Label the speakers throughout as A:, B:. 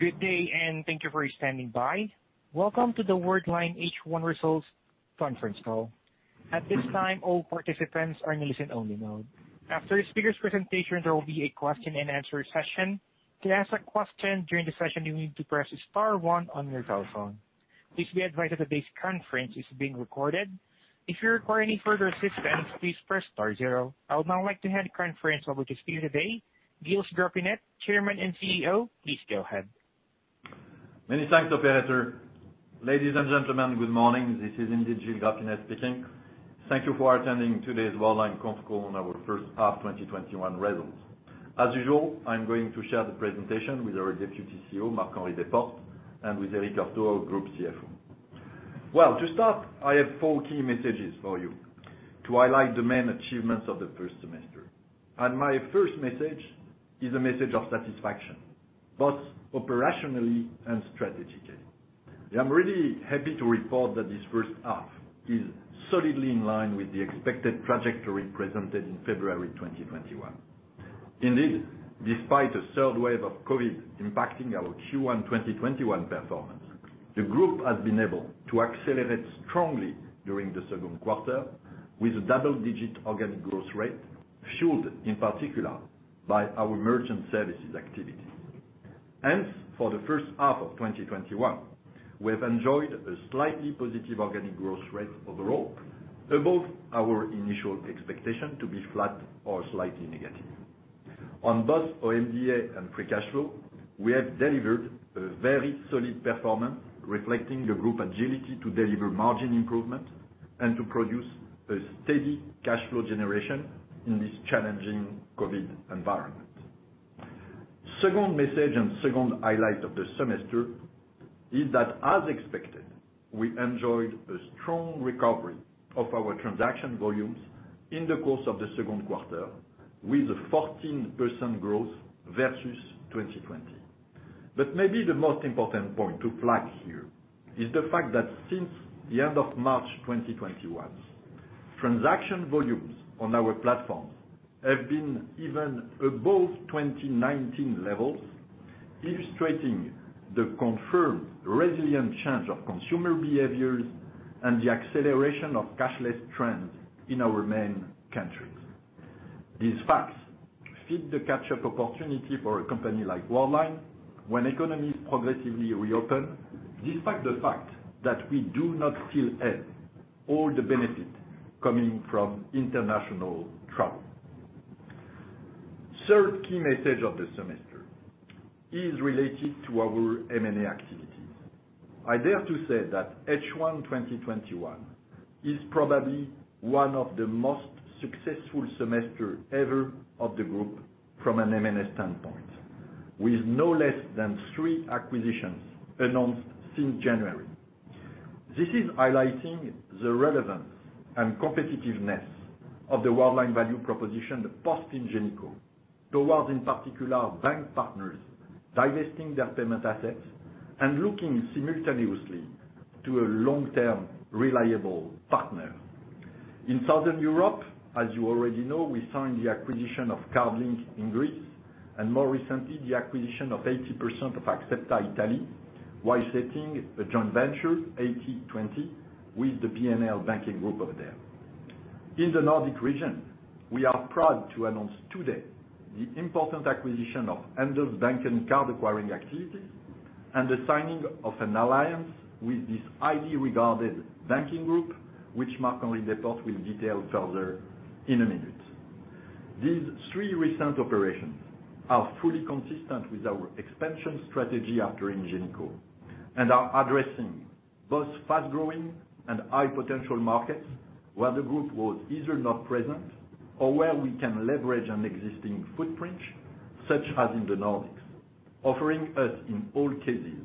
A: Good day, and thank you for standing by. Welcome to the Worldline H1 results conference call. At this time, all participants are in listen only mode. After the speaker's presentation, there will be a question and answer session. To ask a question during the session, you need to press star one on your telephone. Please be advised that today's conference is being recorded. If you require any further assistance, please press star zero. I would now like to hand the conference over to Steven Bay, Gilles Grapinet, Chairman and CEO. Please go ahead.
B: Many thanks, operator. Ladies and gentlemen, good morning. This is indeed Gilles Grapinet speaking. Thank you for attending today's Worldline conference call on our first half 2021 results. As usual, I'm going to share the presentation with our Deputy CEO, Marc-Henri Desportes, and with Eric Heurtaux, our Group CFO. Well, to start, I have four key messages for you to highlight the main achievements of the first semester. My first message is a message of satisfaction, both operationally and strategically. I'm really happy to report that this first half is solidly in line with the expected trajectory presented in February 2021. Indeed, despite a third wave of COVID impacting our Q1 2021 performance, the group has been able to accelerate strongly during the second quarter with a double-digit organic growth rate, fueled in particular by our Merchant Services activity. For the first half of 2021, we have enjoyed a slightly positive organic growth rate overall, above our initial expectation to be flat or slightly negative. On both OMDA and free cash flow, we have delivered a very solid performance reflecting the group agility to deliver margin improvement and to produce a steady cash flow generation in this challenging COVID environment. Second message and second highlight of the semester is that as expected, we enjoyed a strong recovery of our transaction volumes in the course of the second quarter with a 14% growth versus 2020. Maybe the most important point to flag here is the fact that since the end of March 2021, transaction volumes on our platforms have been even above 2019 levels, illustrating the confirmed resilient change of consumer behaviors and the acceleration of cashless trends in our main countries. These facts fit the catch-up opportunity for a company like Worldline when economies progressively reopen, despite the fact that we do not still have all the benefit coming from international travel. Third key message of the semester is related to our M&A activities. I dare to say that H1 2021 is probably one of the most successful semester ever of the group from an M&A standpoint, with no less than three acquisitions announced since January. This is highlighting the relevance and competitiveness of the Worldline value proposition, the Post Ingenico, towards in particular, bank partners divesting their payment assets and looking simultaneously to a long-term reliable partner. In Southern Europe, as you already know, we signed the acquisition of Cardlink in Greece, and more recently, the acquisition of 80% of Axepta Italy while setting a joint venture, 80-20, with the BNL banking group over there. In the Nordic region, we are proud to announce today the important acquisition of Handelsbanken banking card acquiring activity and the signing of an alliance with this highly regarded banking group, which Marc-Henri Desportes will detail further in a minute. These three recent operations are fully consistent with our expansion strategy after Ingenico and are addressing both fast-growing and high potential markets, where the group was either not present or where we can leverage an existing footprint, such as in the Nordics, offering us, in all cases,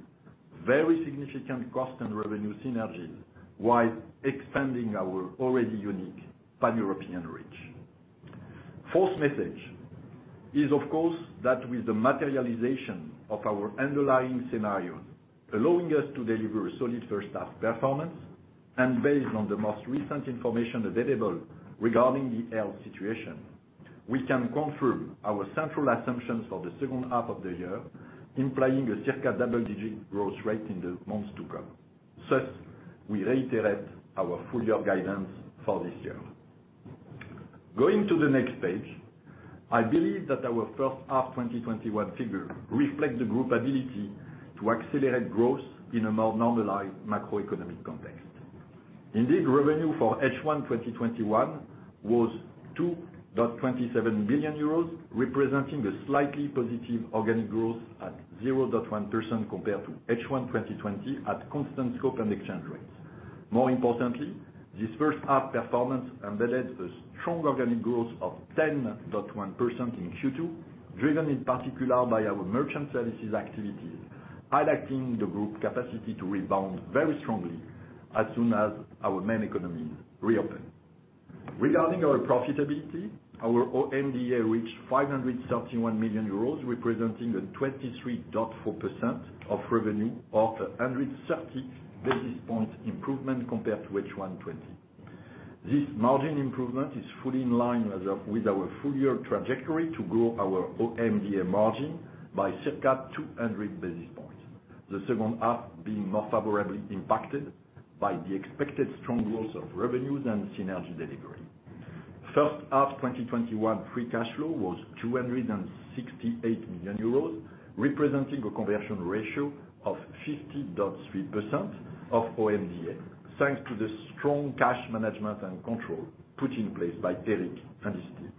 B: very significant cost and revenue synergies while expanding our already unique Pan-European reach. Fourth message is, of course, that with the materialization of our underlying scenario allowing us to deliver a solid first half performance and based on the most recent information available regarding the health situation, we can confirm our central assumptions for the second half of the year, implying a circa double-digit growth rate in the months to come. We reiterate our full-year guidance for this year. Going to the next page, I believe that our first half 2021 figures reflect the group ability to accelerate growth in a more normalized macroeconomic context. Indeed, revenue for H1 2021 was 2.27 billion euros, representing a slightly positive organic growth at 0.1% compared to H1 2020 at constant scope and exchange rates. More importantly, this first half performance embedded a strong organic growth of 10.1% in Q2, driven in particular by our Merchant Services activities, highlighting the group capacity to rebound very strongly as soon as our main economies reopen. Regarding our profitability, our OMDA reached 531 million euros, representing a 23.4% of revenue or 130 basis point improvement compared to H1 2020. This margin improvement is fully in line with our full-year trajectory to grow our OMDA margin by circa 200 basis points, the second half being more favorably impacted by the expected strong growth of revenues and synergy delivery. First half 2021 free cash flow was 268 million euros, representing a conversion ratio of 50.3% of OMDA, thanks to the strong cash management and control put in place by Eric and his team.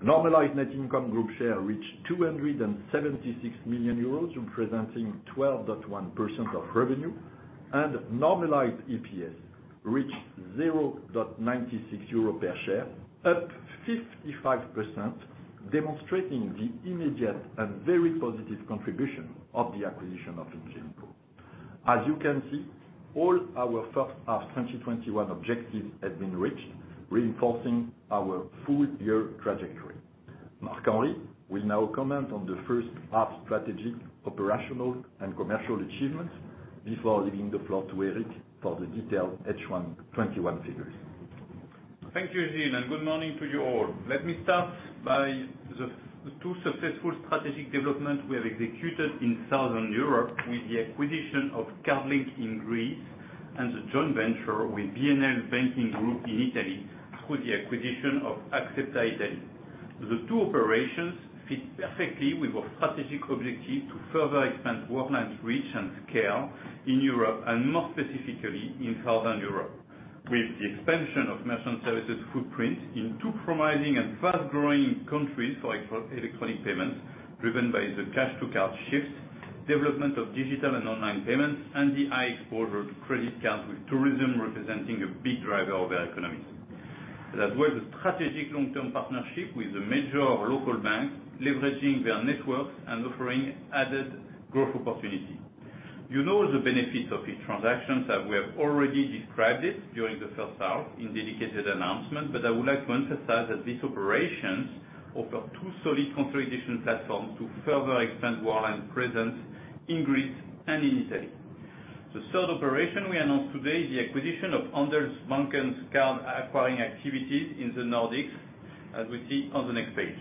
B: Normalized net income group share reached 276 million euros, representing 12.1% of revenue, and normalized EPS reached 0.96 euro per share, up 55%, demonstrating the immediate and very positive contribution of the acquisition of Ingenico. As you can see, all our first half 2021 objectives have been reached, reinforcing our full-year trajectory. Marc-Henri will now comment on the first half strategic, operational, and commercial achievements before leaving the floor to Eric for the detailed H1 2021 figures.
C: Thank you, Gilles, and good morning to you all. Let me start by the two successful strategic developments we have executed in Southern Europe with the acquisition of Cardlink in Greece and the joint venture with BNL banking group in Italy through the acquisition of Axepta Italy. The two operations fit perfectly with our strategic objective to further expand Worldline's reach and scale in Europe, and more specifically in Southern Europe. With the expansion of merchant services footprint in two promising and fast-growing countries for electronic payments, driven by the cash-to-card shift, development of digital and online payments, and the high exposure to credit cards, with tourism representing a big driver of their economy. As well as a strategic long-term partnership with a major local bank, leveraging their networks and offering added growth opportunity. You know the benefits of these transactions, as we have already described it during the first half in dedicated announcements, I would like to emphasize that these operations offer two solid consolidation platforms to further extend Worldline's presence in Greece and in Italy. The third operation we announce today is the acquisition of Handelsbanken's card acquiring activities in the Nordics, as we see on the next page.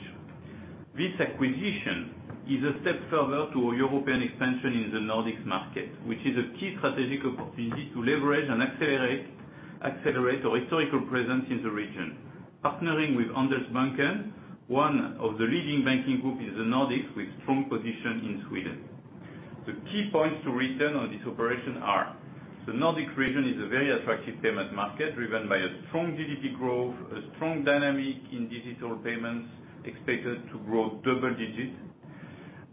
C: This acquisition is a step further to our European expansion in the Nordics market, which is a key strategic opportunity to leverage and accelerate our historical presence in the region. Partnering with Handelsbanken, one of the leading banking group in the Nordics with strong position in Sweden. The key points to return on this operation are: the Nordic region is a very attractive payment market, driven by a strong GDP growth, a strong dynamic in digital payments, expected to grow double digits,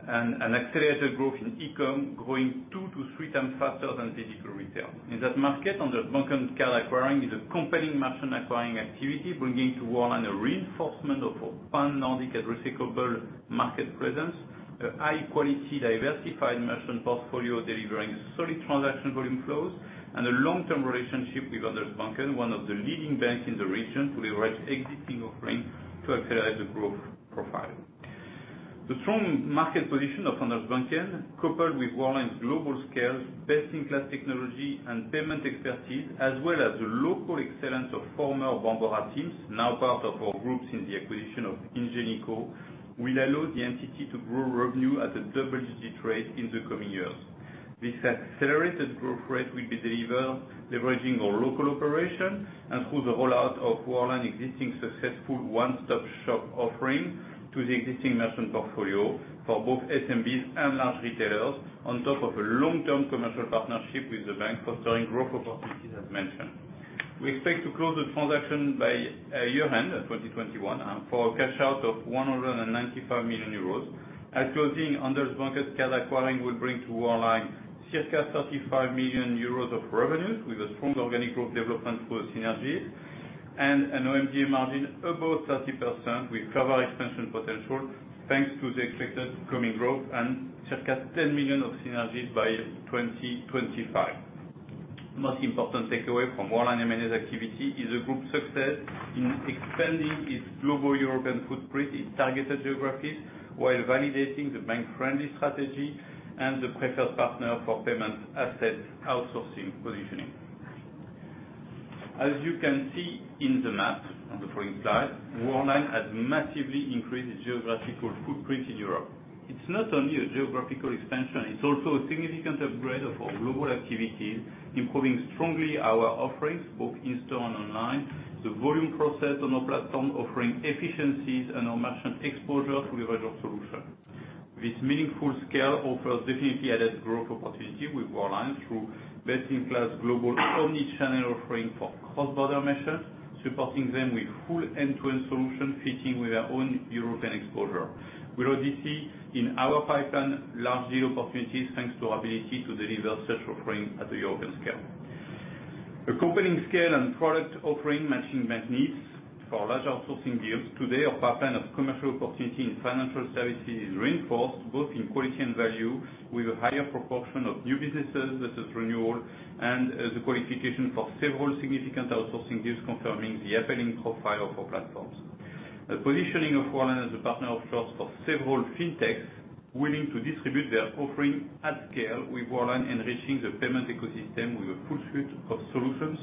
C: and an accelerated growth in e-com, growing two to three times faster than physical retail. In that market, Handelsbanken Card Acquiring is a compelling merchant acquiring activity, bringing to Worldline a reinforcement of our pan-Nordic and replicable market presence, a high-quality, diversified merchant portfolio delivering solid transaction volume flows, and a long-term relationship with Handelsbanken, one of the leading banks in the region to leverage existing offerings to accelerate the growth profile. The strong market position of Handelsbanken, coupled with Worldline's global scale, best-in-class technology, and payment expertise, as well as the local excellence of former Bambora teams, now part of our groups in the acquisition of Ingenico, will allow the entity to grow revenue at a double-digit rate in the coming years. This accelerated growth rate will be delivered leveraging our local operation and through the rollout of Worldline existing successful one-stop shop offering to the existing merchant portfolio for both SMBs and large retailers on top of a long-term commercial partnership with the bank fostering growth opportunities, as mentioned. We expect to close the transaction by year-end of 2021 for a cash-out of 195 million euros. At closing, Handelsbanken Card Acquiring will bring to Worldline circa 35 million euros of revenues, with a strong organic growth development through synergies, and an OMDA margin above 30% with further expansion potential, thanks to the expected coming growth, and circa 10 million of synergies by 2025. Most important takeaway from Worldline M&A's activity is the group's success in expanding its global European footprint in targeted geographies while validating the bank-friendly strategy and the preferred partner for payment asset outsourcing positioning. As you can see in the map on the following slide, Worldline has massively increased its geographical footprint in Europe. It's not only a geographical expansion, it's also a significant upgrade of our global activities, improving strongly our offerings, both in-store and online, the volume processed on our platform offering efficiencies, and our merchant exposure to leverage our solution. This meaningful scale offers definitely added growth opportunity with Worldline through best-in-class global omni-channel offering for cross-border merchants, supporting them with full end-to-end solution fitting with their own European exposure. We already see in our pipeline large deal opportunities, thanks to our ability to deliver such offering at the European scale. A compelling scale and product offering matching bank needs for larger outsourcing deals. Today, our pipeline of commercial opportunity in financial services is reinforced both in quality and value, with a higher proportion of new businesses versus renewal, and the qualification for several significant outsourcing deals confirming the appealing profile of our platforms. The positioning of Worldline as a partner of first for several fintechs willing to distribute their offering at scale with Worldline enriching the payment ecosystem with a full suite of solutions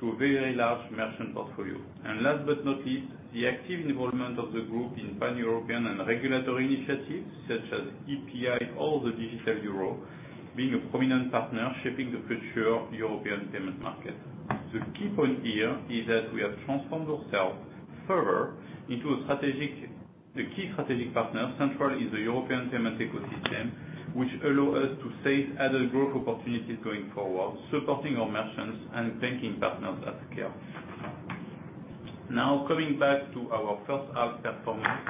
C: to a very large merchant portfolio. Last but not least, the active involvement of the group in pan-European and regulatory initiatives such as EPI or the digital euro, being a prominent partner shaping the future European payment market. The key point here is that we have transformed ourselves further into a key strategic partner central in the European payment ecosystem, which allow us to seize other growth opportunities going forward, supporting our merchants and banking partners at scale. Coming back to our first half performance,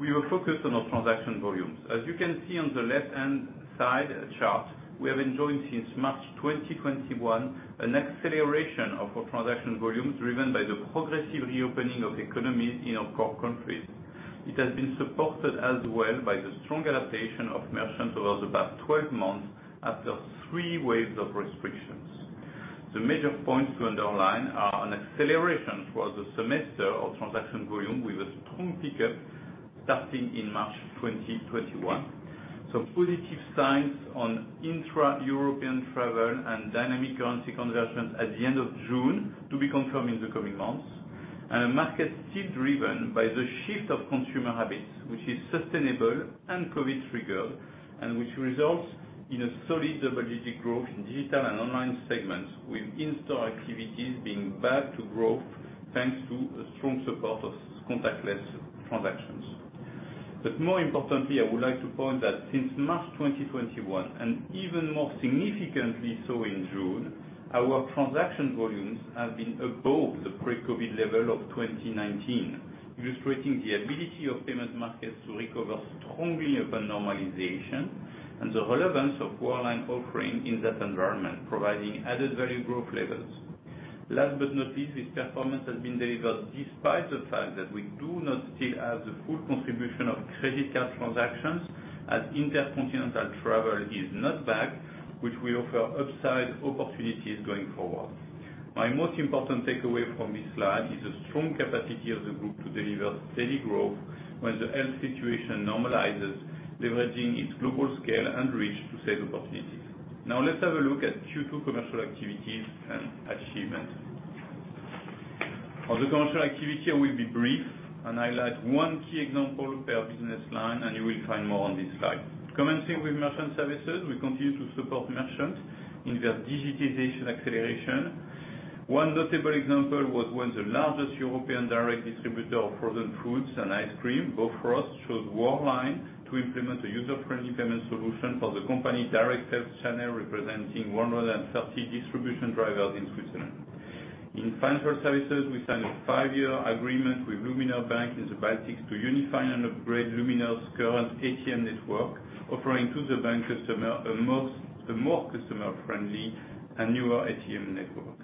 C: we were focused on our transaction volumes. As you can see on the left-hand side chart, we have enjoyed since March 2021 an acceleration of our transaction volumes, driven by the progressive reopening of economies in our core countries. It has been supported as well by the strong adaptation of merchants over the past 12 months after three waves of restrictions. The major points to underline are an acceleration throughout the semester of transaction volume, with a strong pickup starting in March 2021. Positive signs on intra-European travel and dynamic currency conversions at the end of June to be confirmed in the coming months. A market still driven by the shift of consumer habits, which is sustainable and COVID triggered, and which results in a solid double-digit growth in digital and online segments, with in-store activities being back to growth thanks to a strong support of contactless transactions. More importantly, I would like to point that since March 2021, and even more significantly so in June, our transaction volumes have been above the pre-COVID level of 2019, illustrating the ability of payment markets to recover strongly upon normalization and the relevance of Worldline offering in that environment, providing added value growth levels. Last but not least, this performance has been delivered despite the fact that we do not still have the full contribution of credit card transactions, as intercontinental travel is not back, which will offer upside opportunities going forward. My most important takeaway from this slide is the strong capacity of the group to deliver steady growth when the health situation normalizes, leveraging its global scale and reach to seize opportunities. Let's have a look at Q2 commercial activities and achievements. On the commercial activity, I will be brief and highlight one key example per business line. You will find more on this slide. Commencing with merchant services, we continue to support merchants in their digitization acceleration. One notable example was when the largest European direct distributor of frozen foods and ice cream, Bofrost, chose Worldline to implement a user-friendly payment solution for the company direct sales channel, representing 130 distribution drivers in Switzerland. In financial services, we signed a five-year agreement with Luminor Bank in the Baltics to unify and upgrade Luminor's current ATM network, offering to the bank customer a more customer-friendly and newer ATM network.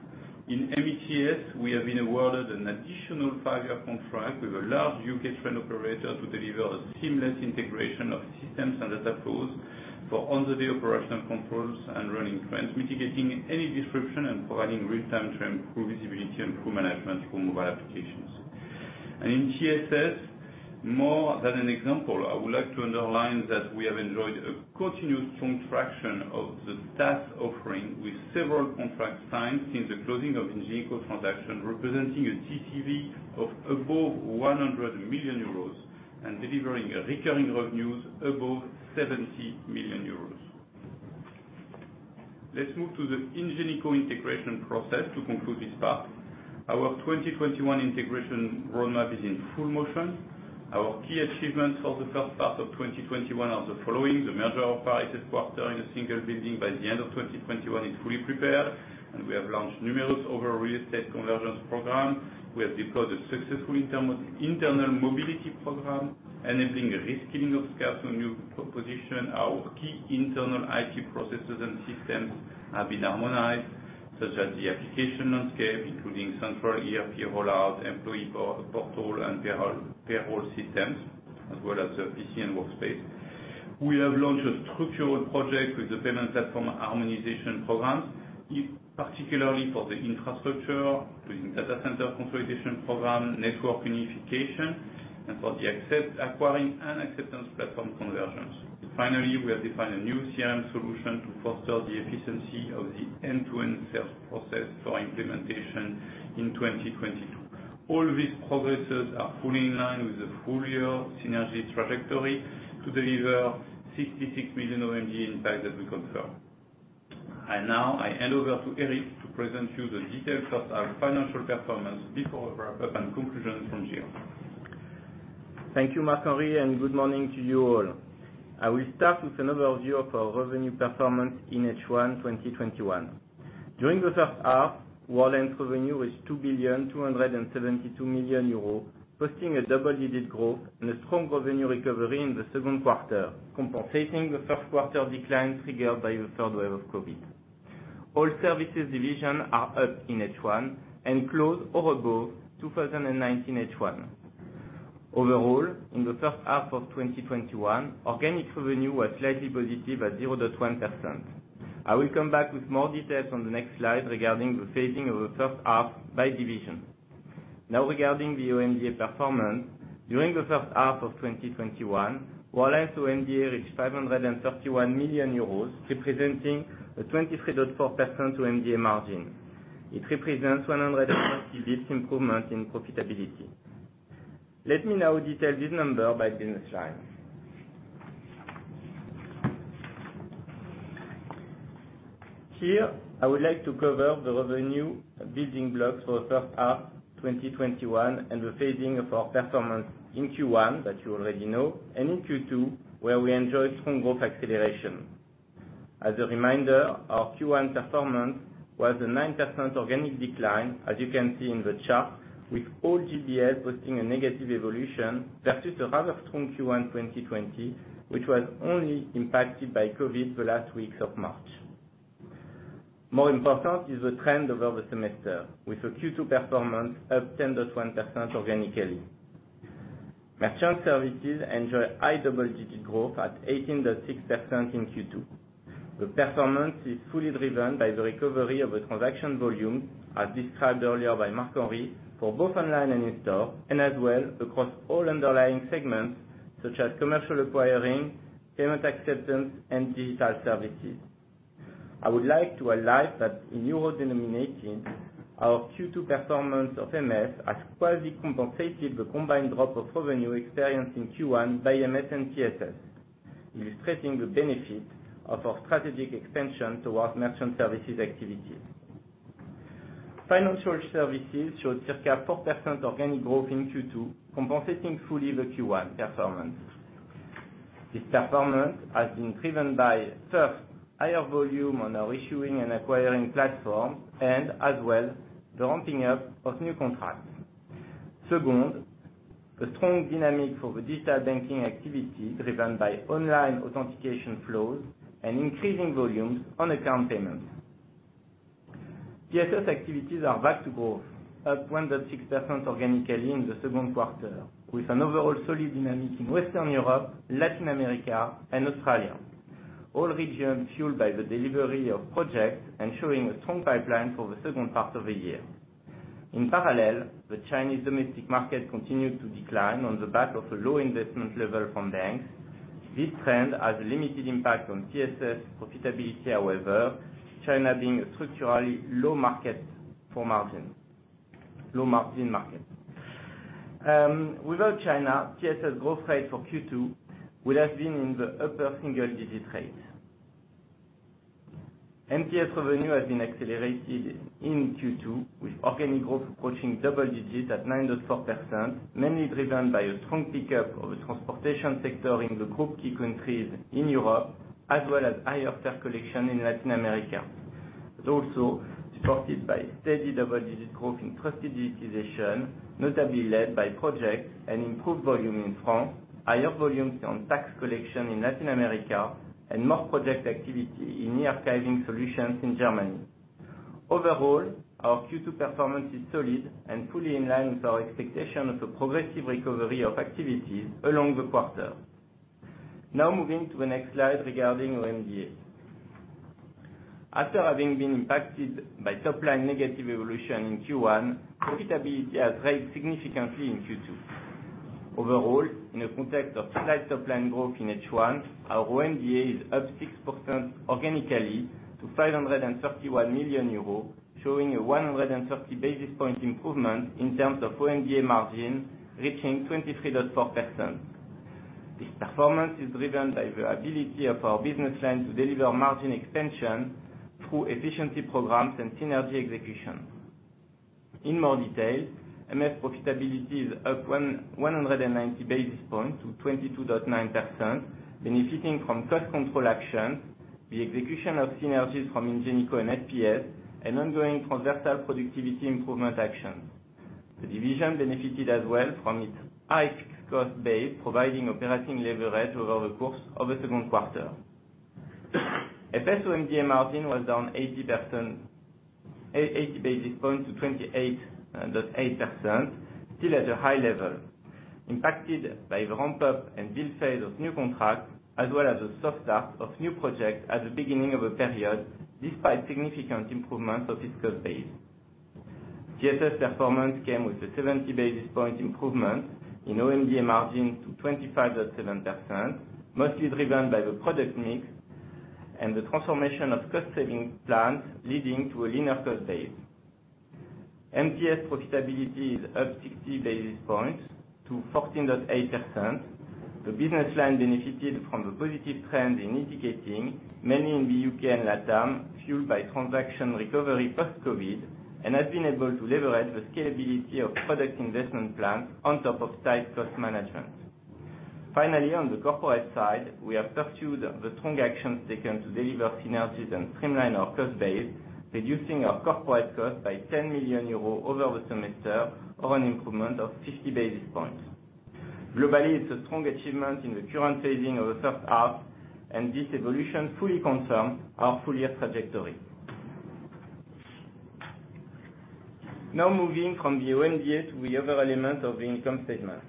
C: In MTS, we have been awarded an additional five-year contract with a large U.K. train operator to deliver a seamless integration of systems and data flows for all the day operational controls and running trains, mitigating any disruption and providing real-time train crew visibility and crew management for mobile applications. In GSS, more than an example, I would like to underline that we have enjoyed a continued strong traction of the TaaS offering with several contracts signed since the closing of Ingenico transaction, representing a TTV of above 100 million euros and delivering a recurring revenues above 70 million euros. Let's move to the Ingenico integration process to conclude this part. Our 2021 integration roadmap is in full motion. Our key achievements for the first half of 2021 are the following: the merger of Paris headquarters in a single building by the end of 2021 is fully prepared. We have launched numerous other real estate convergence program. We have deployed a successful internal mobility program, enabling a reskilling of skills on new proposition. Our key internal IT processes and systems have been harmonized, such as the application landscape, including central ERP rollout, employee portal, and payroll systems, as well as the PC and workspace. We have launched a structural project with the payment platform harmonization programs, particularly for the infrastructure, including data center consolidation program, network unification, and for the acquiring and acceptance platform conversions. Finally, we have defined a new CRM solution to foster the efficiency of the end-to-end sales process for implementation in 2022. All these progresses are fully in line with the full year synergy trajectory to deliver 66 million OMDA impact that we confirm. Now I hand over to Eric to present you the detailed first half financial performance before a wrap up and conclusion from Gilles.
D: Thank you, Marc-Henri, and good morning to you all. I will start with an overview of our revenue performance in H1 2021. During the first half, Worldline's revenue is 2.272 billion, posting a double-digit growth and a strong revenue recovery in the second quarter, compensating the first quarter decline triggered by the third wave of COVID-19. All services division are up in H1 and closed over go 2019 H1. Overall, in the first half of 2021, organic revenue was slightly positive at 0.1%. I will come back with more details on the next slide regarding the phasing of the first half by division. Now regarding the OMDA performance, during the first half of 2021, Worldline's OMDA reached 531 million euros, representing a 23.4% OMDA margin. It represents 130 basis improvement in profitability. Let me now detail this number by business line. Here, I would like to cover the revenue building blocks for the first half 2021, the phasing of our performance in Q1 that you already know, in Q2, where we enjoyed strong growth acceleration. As a reminder, our Q1 performance was a 9% organic decline, as you can see in the chart, with all GBLs posting a negative evolution versus a rather strong Q1 2020, which was only impacted by COVID the last weeks of March. More important is the trend over the semester with a Q2 performance up 10.1% organically. Merchant Services enjoy high double-digit growth at 18.6% in Q2. The performance is fully driven by the recovery of the transaction volume, as described earlier by Marc-Henri, for both online and in store, as well, across all underlying segments such as commercial acquiring, payment acceptance, and digital services. I would like to highlight that in EUR denominations, our Q2 performance of MS has quasi compensated the combined drop of revenue experienced in Q1 by MS and TSS, illustrating the benefit of our strategic expansion towards merchant services activities. Financial services showed just above 4% organic growth in Q2, compensating fully the Q1 performance. This performance has been driven by, first, higher volume on our issuing and acquiring platform, and as well, the ramping up of new contracts. Second, a strong dynamic for the digital banking activity driven by online authentication flows and increasing volumes on account payments. TSS activities are back to growth, up 1.6% organically in the second quarter, with an overall solid dynamic in Western Europe, Latin America, and Australia. All regions fueled by the delivery of projects and showing a strong pipeline for the second part of the year. In parallel, the Chinese domestic market continued to decline on the back of a low investment level from banks. This trend has a limited impact on TSS profitability however, China being a structurally low margin market. Without China, TSS growth rate for Q2 would have been in the upper single-digit rates. MTS revenue has been accelerated in Q2 with organic growth approaching double digits at 9.4%, mainly driven by a strong pickup of the transportation sector in the group key countries in Europe, as well as higher fare collection in Latin America. It is also supported by steady double-digit growth in trusted digitization, notably led by project and improved volume in France, higher volumes on tax collection in Latin America, and more project activity in e-archiving solutions in Germany. Overall, our Q2 performance is solid and fully in line with our expectation of a progressive recovery of activities along the quarter. Moving to the next slide regarding OMDA. After having been impacted by top-line negative evolution in Q1, profitability has raised significantly in Q2. Overall, in a context of slight top-line growth in H1, our OMDA is up 6% organically to 531 million euros, showing a 130 basis point improvement in terms of OMDA margin reaching 23.4%. This performance is driven by the ability of our business line to deliver margin expansion through efficiency programs and synergy execution. In more detail, MS profitability is up 190 basis points to 22.9%, benefiting from cost control action, the execution of synergies from Ingenico and SPS, and ongoing transversal productivity improvement actions. The division benefited as well from its high cost base, providing operating leverage over the course of the second quarter. FS OMDA margin was down 80 basis points to 28.8%, still at a high level, impacted by the ramp-up and build phase of new contracts, as well as a soft start of new projects at the beginning of a period, despite significant improvements of its cost base. TSS performance came with a 70 basis point improvement in OMDA margin to 25.7%, mostly driven by the product mix and the transformation of cost-saving plans, leading to a leaner cost base. MTS profitability is up 60 basis points to 14.8%. The business line benefited from the positive trend in acquiring, mainly in the U.K. and LATAM, fueled by transaction recovery post-COVID and has been able to leverage the scalability of product investment plans on top of tight cost management. Finally, on the corporate side, we have pursued the strong actions taken to deliver synergies and streamline our cost base, reducing our corporate cost by 10 million euros over the semester of an improvement of 50 basis points. Globally, it's a strong achievement in the current phasing of the first half. This evolution fully confirms our full-year trajectory. Moving from the OMDA to the other element of the income statement.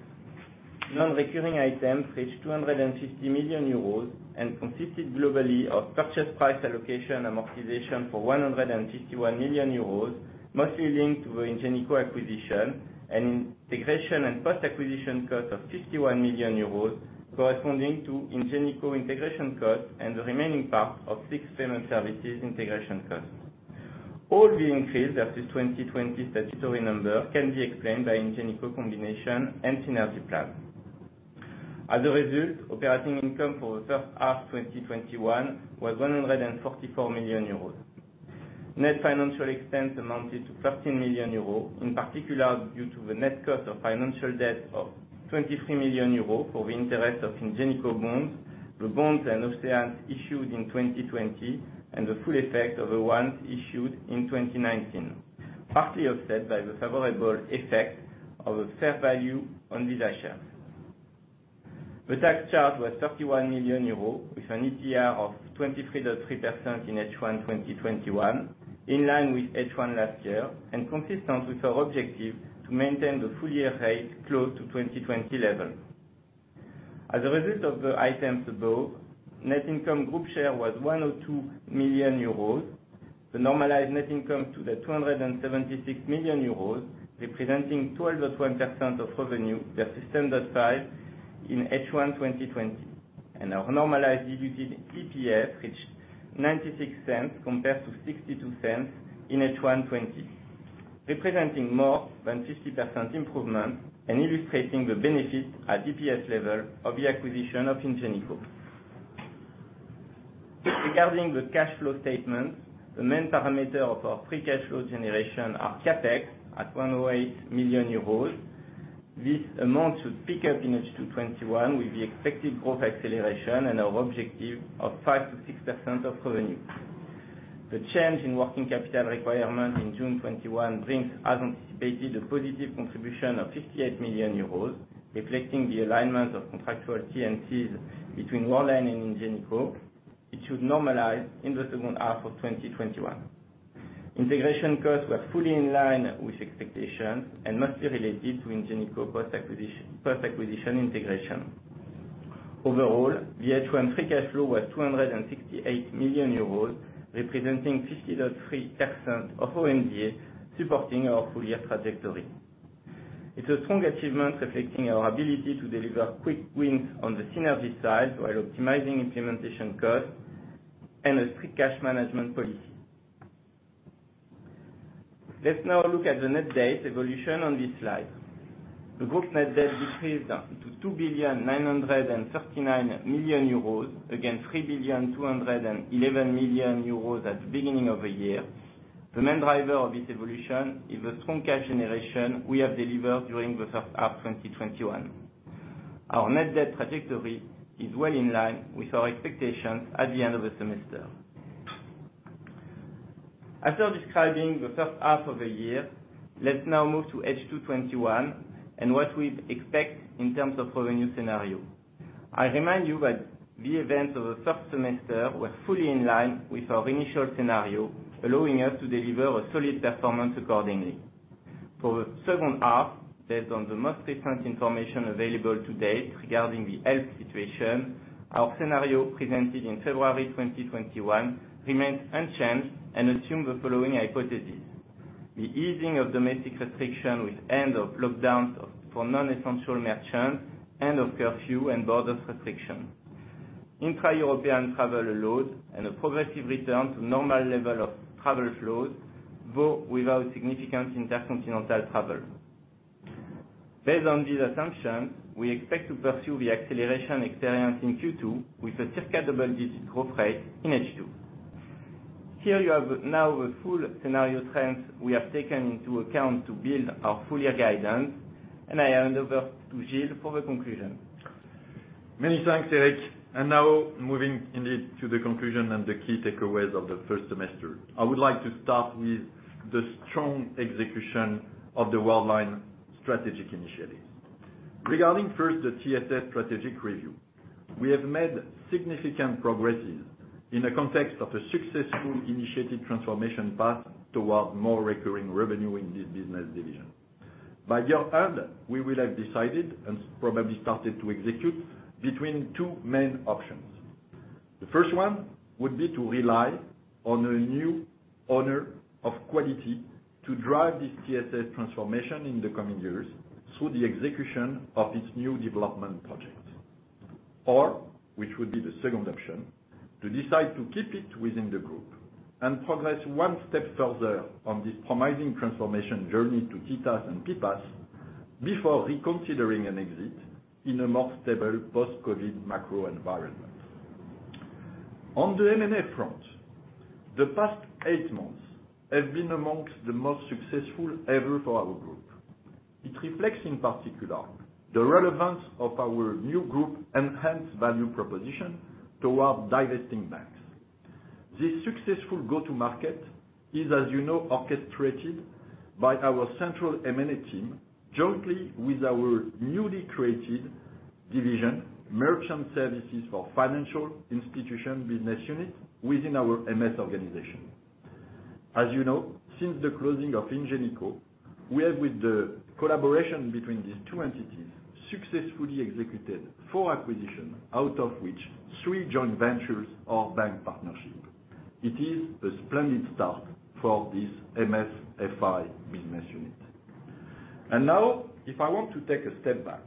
D: Non-recurring items reached 250 million euros and consisted globally of purchase price allocation amortization for 151 million euros, mostly linked to the Ingenico acquisition and integration and post-acquisition costs of 51 million euros, corresponding to Ingenico integration costs and the remaining part of SIX Payment Services integration costs. All the increase versus 2020 statutory number can be explained by Ingenico combination and synergy plan. Operating income for the first half 2021 was 144 million euros. Net financial expense amounted to 13 million euros, in particular due to the net cost of financial debt of 23 million euros for the interest of Ingenico bonds, the bonds and OCEANEs issued in 2020, and the full effect of the ones issued in 2019, partly offset by the favorable effect of the fair value on Visa shares. The tax charge was 31 million euros, with an ETR of 23.3% in H1 2021, in line with H1 last year, and consistent with our objective to maintain the full-year rate close to 2020 level. As a result of the items above, net income group share was 102 million euros. The normalized net income to 276 million euros, representing 12.1% of revenue versus 7.5% in H1 2020, and our normalized diluted EPS reached EUR 0.96 compared to 0.62 in H1 2020, representing more than 50% improvement and illustrating the benefit at EPS level of the acquisition of Ingenico. Regarding the cash flow statement, the main parameter of our free cash flow generation are CapEx at 108 million euros. This amount should pick up in H2 2021 with the expected growth acceleration and our objective of 5%-6% of revenue. The change in working capital requirement in June 2021 brings, as anticipated, a positive contribution of 58 million euros, reflecting the alignment of contractual T&Cs between Worldline and Ingenico. It should normalize in the second half of 2021. Integration costs were fully in line with expectations and mostly related to Ingenico post-acquisition integration. Overall, the H1 free cash flow was 268 million euros, representing 50.3% of OMDA, supporting our full-year trajectory. It's a strong achievement reflecting our ability to deliver quick wins on the synergy side while optimizing implementation costs and a strict cash management policy. Let's now look at the net debt evolution on this slide. The group net debt decreased to 2,939,000,000 euros against 3,211,000,000 euros at the beginning of the year. The main driver of this evolution is the strong cash generation we have delivered during the first half 2021. Our net debt trajectory is well in line with our expectations at the end of the semester. After describing the first half of the year, let's now move to H2 2021 and what we expect in terms of revenue scenario. I remind you that the events of the first semester were fully in line with our initial scenario, allowing us to deliver a solid performance accordingly. For the second half, based on the most recent information available to date regarding the health situation, our scenario presented in February 2021 remains unchanged and assume the following hypothesis. The easing of domestic restrictions with end of lockdowns for non-essential merchants, end of curfew and borders restrictions. Intra-European travel load and a progressive return to normal level of travel flows, though without significant intercontinental travel. Based on this assumption, we expect to pursue the acceleration experienced in Q2 with a circa double-digit growth rate in H2. Here you have now the full scenario trends we have taken into account to build our full-year guidance, I hand over to Gilles for the conclusion.
B: Many thanks, Eric. Now moving, indeed, to the conclusion and the key takeaways of the first semester. I would like to start with the strong execution of the Worldline strategic initiatives. Regarding first the TSS strategic review, we have made significant progresses in the context of a successful initiative transformation path towards more recurring revenue in this business division. By year-end, we will have decided and probably started to execute between two main options. The first one would be to rely on a new owner of quality to drive this TSS transformation in the coming years through the execution of its new development projects. Which would be the second option, to decide to keep it within the group and progress one step further on this promising transformation journey to TaaS and PPaaS before reconsidering an exit in a more stable post-COVID macro environment. On the M&A front, the past eight months have been amongst the most successful ever for our group. It reflects, in particular, the relevance of our new group enhanced value proposition toward divesting banks. This successful go-to market is, as you know, orchestrated by our central M&A team jointly with our newly created division, merchant services for financial institution business unit within our MS organization. As you know, since the closing of Ingenico, we have, with the collaboration between these two entities, successfully executed four acquisitions, out of which three joint ventures or bank partnerships. It is a splendid start for this MSFI business unit. Now, if I want to take a step back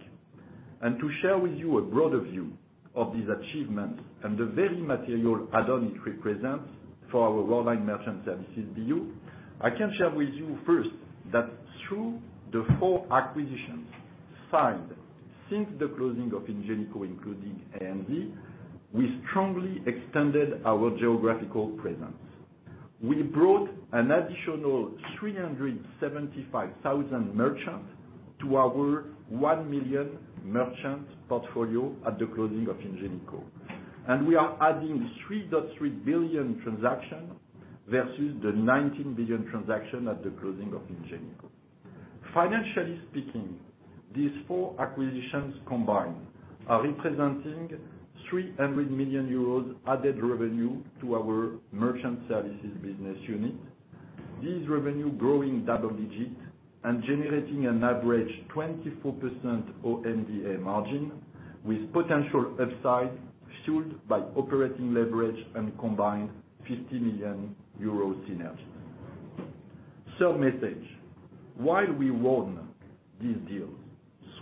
B: and to share with you a broader view of these achievements and the very material add-on it represents for our Worldline Merchant Services BU, I can share with you first that through the four acquisitions signed since the closing of Ingenico, including ANZ, we strongly extended our geographical presence. We brought an additional 375,000 merchants to our 1 million merchant portfolio at the closing of Ingenico. We are adding 3.3 billion transactions versus the 19 billion transactions at the closing of Ingenico. Financially speaking, these four acquisitions combined are representing 300 million euros added revenue to our merchant services business unit. This revenue growing double digits and generating an average 24% OMDA margin with potential upside fueled by operating leverage and combined EUR 50 million synergy. Sub-message. While we won these deals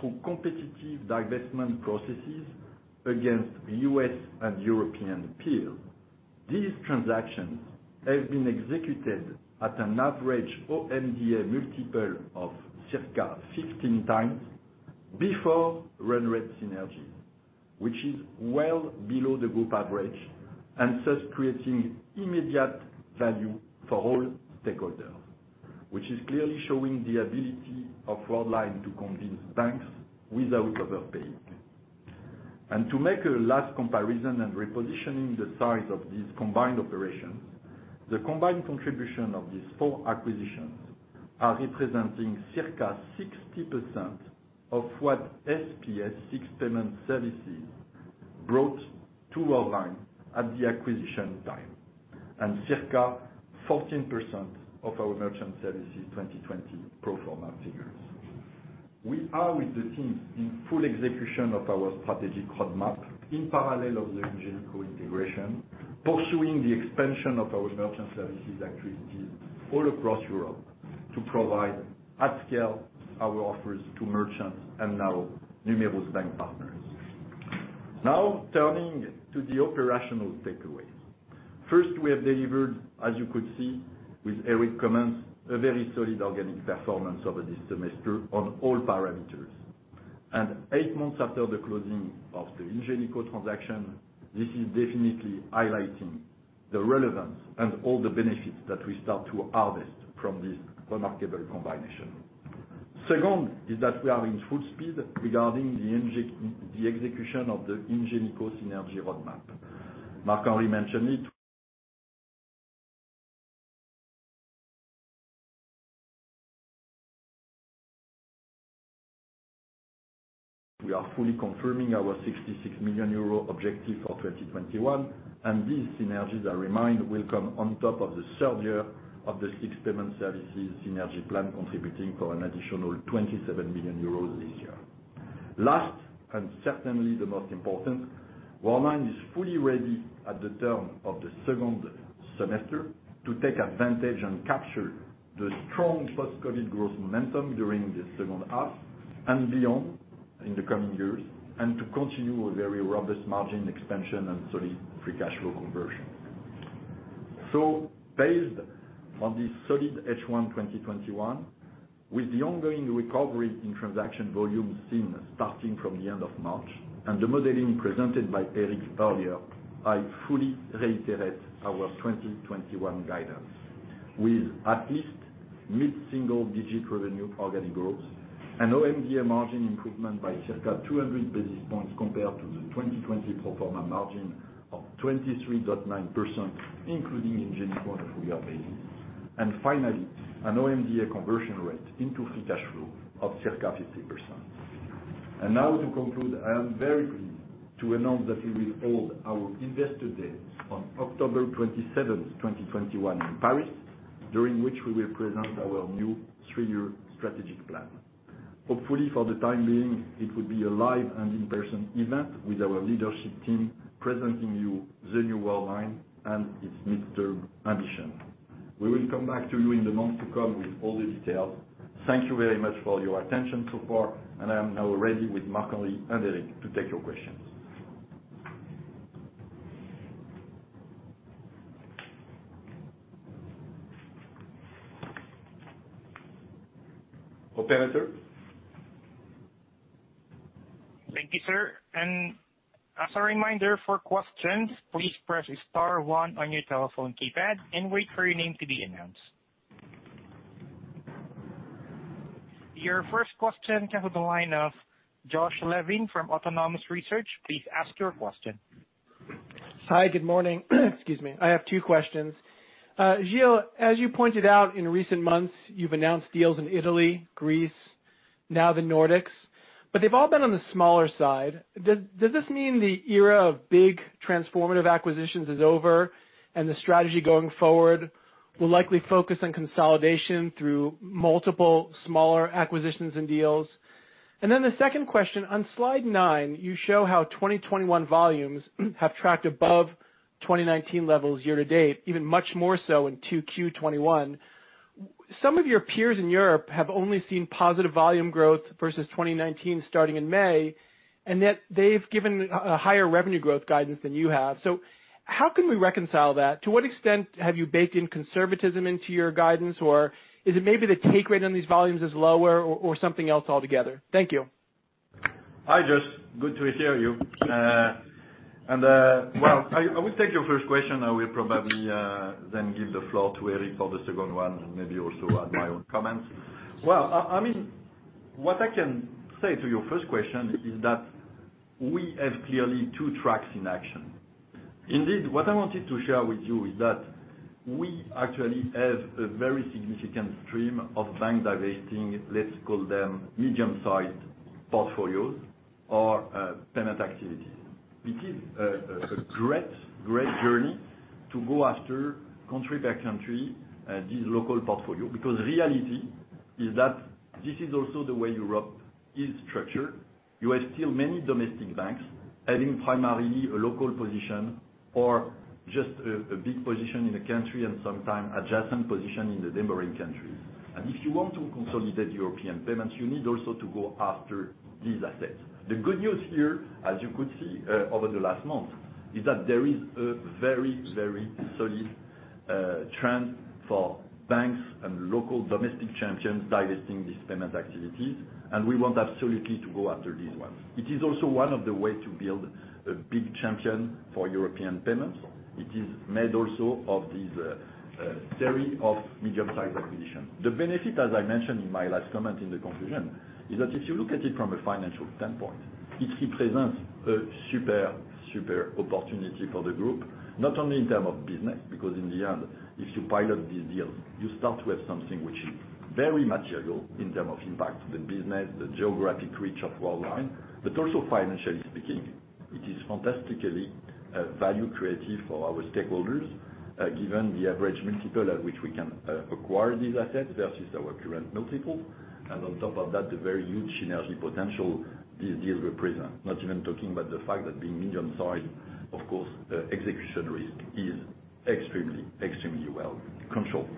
B: through competitive divestment processes against the U.S. and European peers, these transactions have been executed at an average OMDA multiple of circa 16 times before run rate synergy, which is well below the group average and thus creating immediate value for all stakeholders, which is clearly showing the ability of Worldline to convince banks without overpaying. To make a last comparison and repositioning the size of these combined operations, the combined contribution of these four acquisitions are representing circa 60% of what SPS SIX Payment Services brought to Worldline at the acquisition time, and circa 14% of our Merchant Services 2020 pro forma figures. We are, with the team, in full execution of our strategic roadmap in parallel of the Ingenico integration, pursuing the expansion of our merchant services activities all across Europe to provide, at scale, our offers to merchants and now numerous bank partners. Turning to the operational takeaways. First, we have delivered, as you could see with Eric comments, a very solid organic performance over this semester on all parameters. Eight months after the closing of the Ingenico transaction, this is definitely highlighting the relevance and all the benefits that we start to harvest from this remarkable combination. Second is that we are in full speed regarding the execution of the Ingenico synergy roadmap. Marc-Henri mentioned it. We are fully confirming our 66 million euro objective for 2021, and these synergies, I remind, will come on top of the third year of the SIX Payment Services synergy plan contributing for an additional 27 million euros this year. Last, and certainly the most important, Worldline is fully ready at the turn of the second semester to take advantage and capture the strong post-COVID growth momentum during the second half and beyond in the coming years, and to continue a very robust margin expansion and solid free cash flow conversion. Based on this solid H1 2021, with the ongoing recovery in transaction volume seen starting from the end of March and the modeling presented by Eric earlier, I fully reiterate our 2021 guidance with at least mid-single digit revenue organic growth and OMDA margin improvement by circa 200 basis points compared to the 2020 pro forma margin of 23.9%, including Ingenico that we are basing. Finally, an OMDA conversion rate into free cash flow of circa 50%. Now to conclude, I am very pleased to announce that we will hold our investor day on October 27th, 2021 in Paris, during which we will present our new three-year strategic plan. Hopefully, for the time being, it will be a live and in-person event with our leadership team presenting you the new Worldline and its midterm ambition. We will come back to you in the months to come with all the details. Thank you very much for your attention so far. I am now ready with Marc-Henri Desportes and Eric Heurtaux to take your questions. Operator?
A: Thank you, sir. As a reminder for questions, please press star one on your telephone keypad and wait for your name to be announced. Your first question comes on the line of Josh Levin from Autonomous Research. Please ask your question.
E: Hi. Good morning. Excuse me. I have two questions. Gilles, as you pointed out in recent months, you've announced deals in Italy, Greece. Now the Nordics, but they've all been on the smaller side. Does this mean the era of big transformative acquisitions is over, and the strategy going forward will likely focus on consolidation through multiple smaller acquisitions and deals? The second question, on slide nine, you show how 2021 volumes have tracked above 2019 levels year to date, even much more so in 2Q 2021. Some of your peers in Europe have only seen positive volume growth versus 2019, starting in May, and yet they've given a higher revenue growth guidance than you have. How can we reconcile that? To what extent have you baked in conservatism into your guidance? Is it maybe the take rate on these volumes is lower or something else altogether? Thank you.
B: Hi, Josh. Good to hear you. Well, I will take your first question. I will probably then give the floor to Eric for the second one, and maybe also add my own comments. Well, what I can say to your first question is that we have clearly two tracks in action. Indeed, what I wanted to share with you is that we actually have a very significant stream of banks divesting, let's call them medium-sized portfolios or payment activities. It is a great journey to go after country by country these local portfolios, because reality is that this is also the way Europe is structured. You have still many domestic banks having primarily a local position or just a big position in a country, and sometimes adjacent position in the neighboring countries. If you want to consolidate European payments, you need also to go after these assets. The good news here, as you could see over the last month, is that there is a very solid trend for banks and local domestic champions divesting these payment activities. We want absolutely to go after these ones. It is also one of the ways to build a big champion for European payments. It is also made of these series of medium-sized acquisitions. The benefit, as I mentioned in my last comment in the conclusion, is that if you look at it from a financial standpoint, it represents a super opportunity for the group. Not only in terms of business, because in the end, if you pilot these deals, you start to have something which is very material in terms of impact to the business, the geographic reach of Worldline. Also financially speaking, it is fantastically value creative for our stakeholders, given the average multiple at which we can acquire these assets versus our current multiple. On top of that, the very huge synergy potential these deals represent. Not even talking about the fact that being medium-sized, of course, execution risk is extremely well controlled.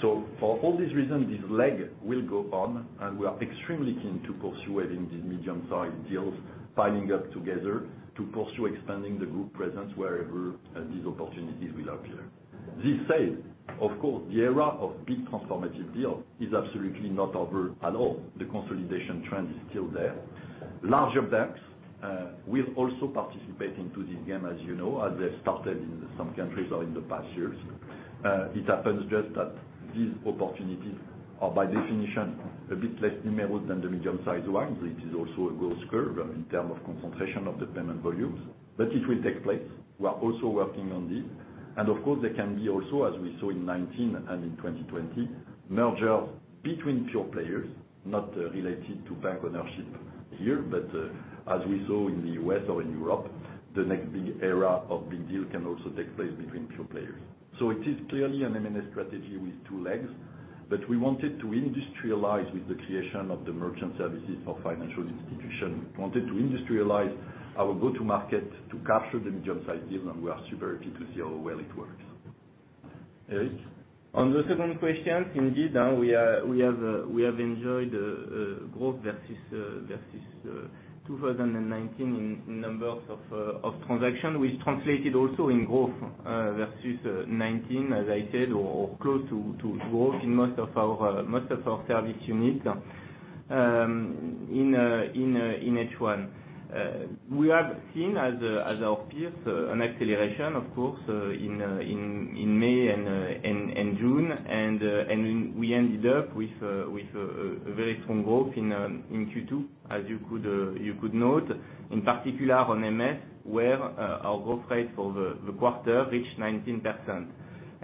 B: For all these reasons, this leg will go on, and we are extremely keen to pursue it in these medium-sized deals, piling up together to pursue expanding the group presence wherever these opportunities will appear. This said, of course, the era of big transformative deals is absolutely not over at all. The consolidation trend is still there. Larger banks will also participate into this game, as you know, as they started in some countries or in the past years. It happens just that these opportunities are by definition a bit less numerous than the medium-sized ones. It is also a growth curve in terms of concentration of the payment volumes. It will take place. We are also working on this. Of course, there can be also, as we saw in 2019 and in 2020, mergers between pure players, not related to bank ownership here. As we saw in the U.S. or in Europe, the next big era of big deal can also take place between pure players. It is clearly an M&A strategy with two legs. We wanted to industrialize with the creation of the merchant services for financial institution. We wanted to industrialize our go-to market to capture the medium-sized deal, and we are super happy to see how well it works. Eric?
D: On the second question, indeed, we have enjoyed growth versus 2019 in numbers of transaction, which translated also in growth versus 2019, as I said, or close to growth in most of our service units in H1. We have seen, as our peers, an acceleration of course, in May and June. We ended up with a very strong growth in Q2, as you could note. In particular on MS, where our growth rate for the quarter reached 19%.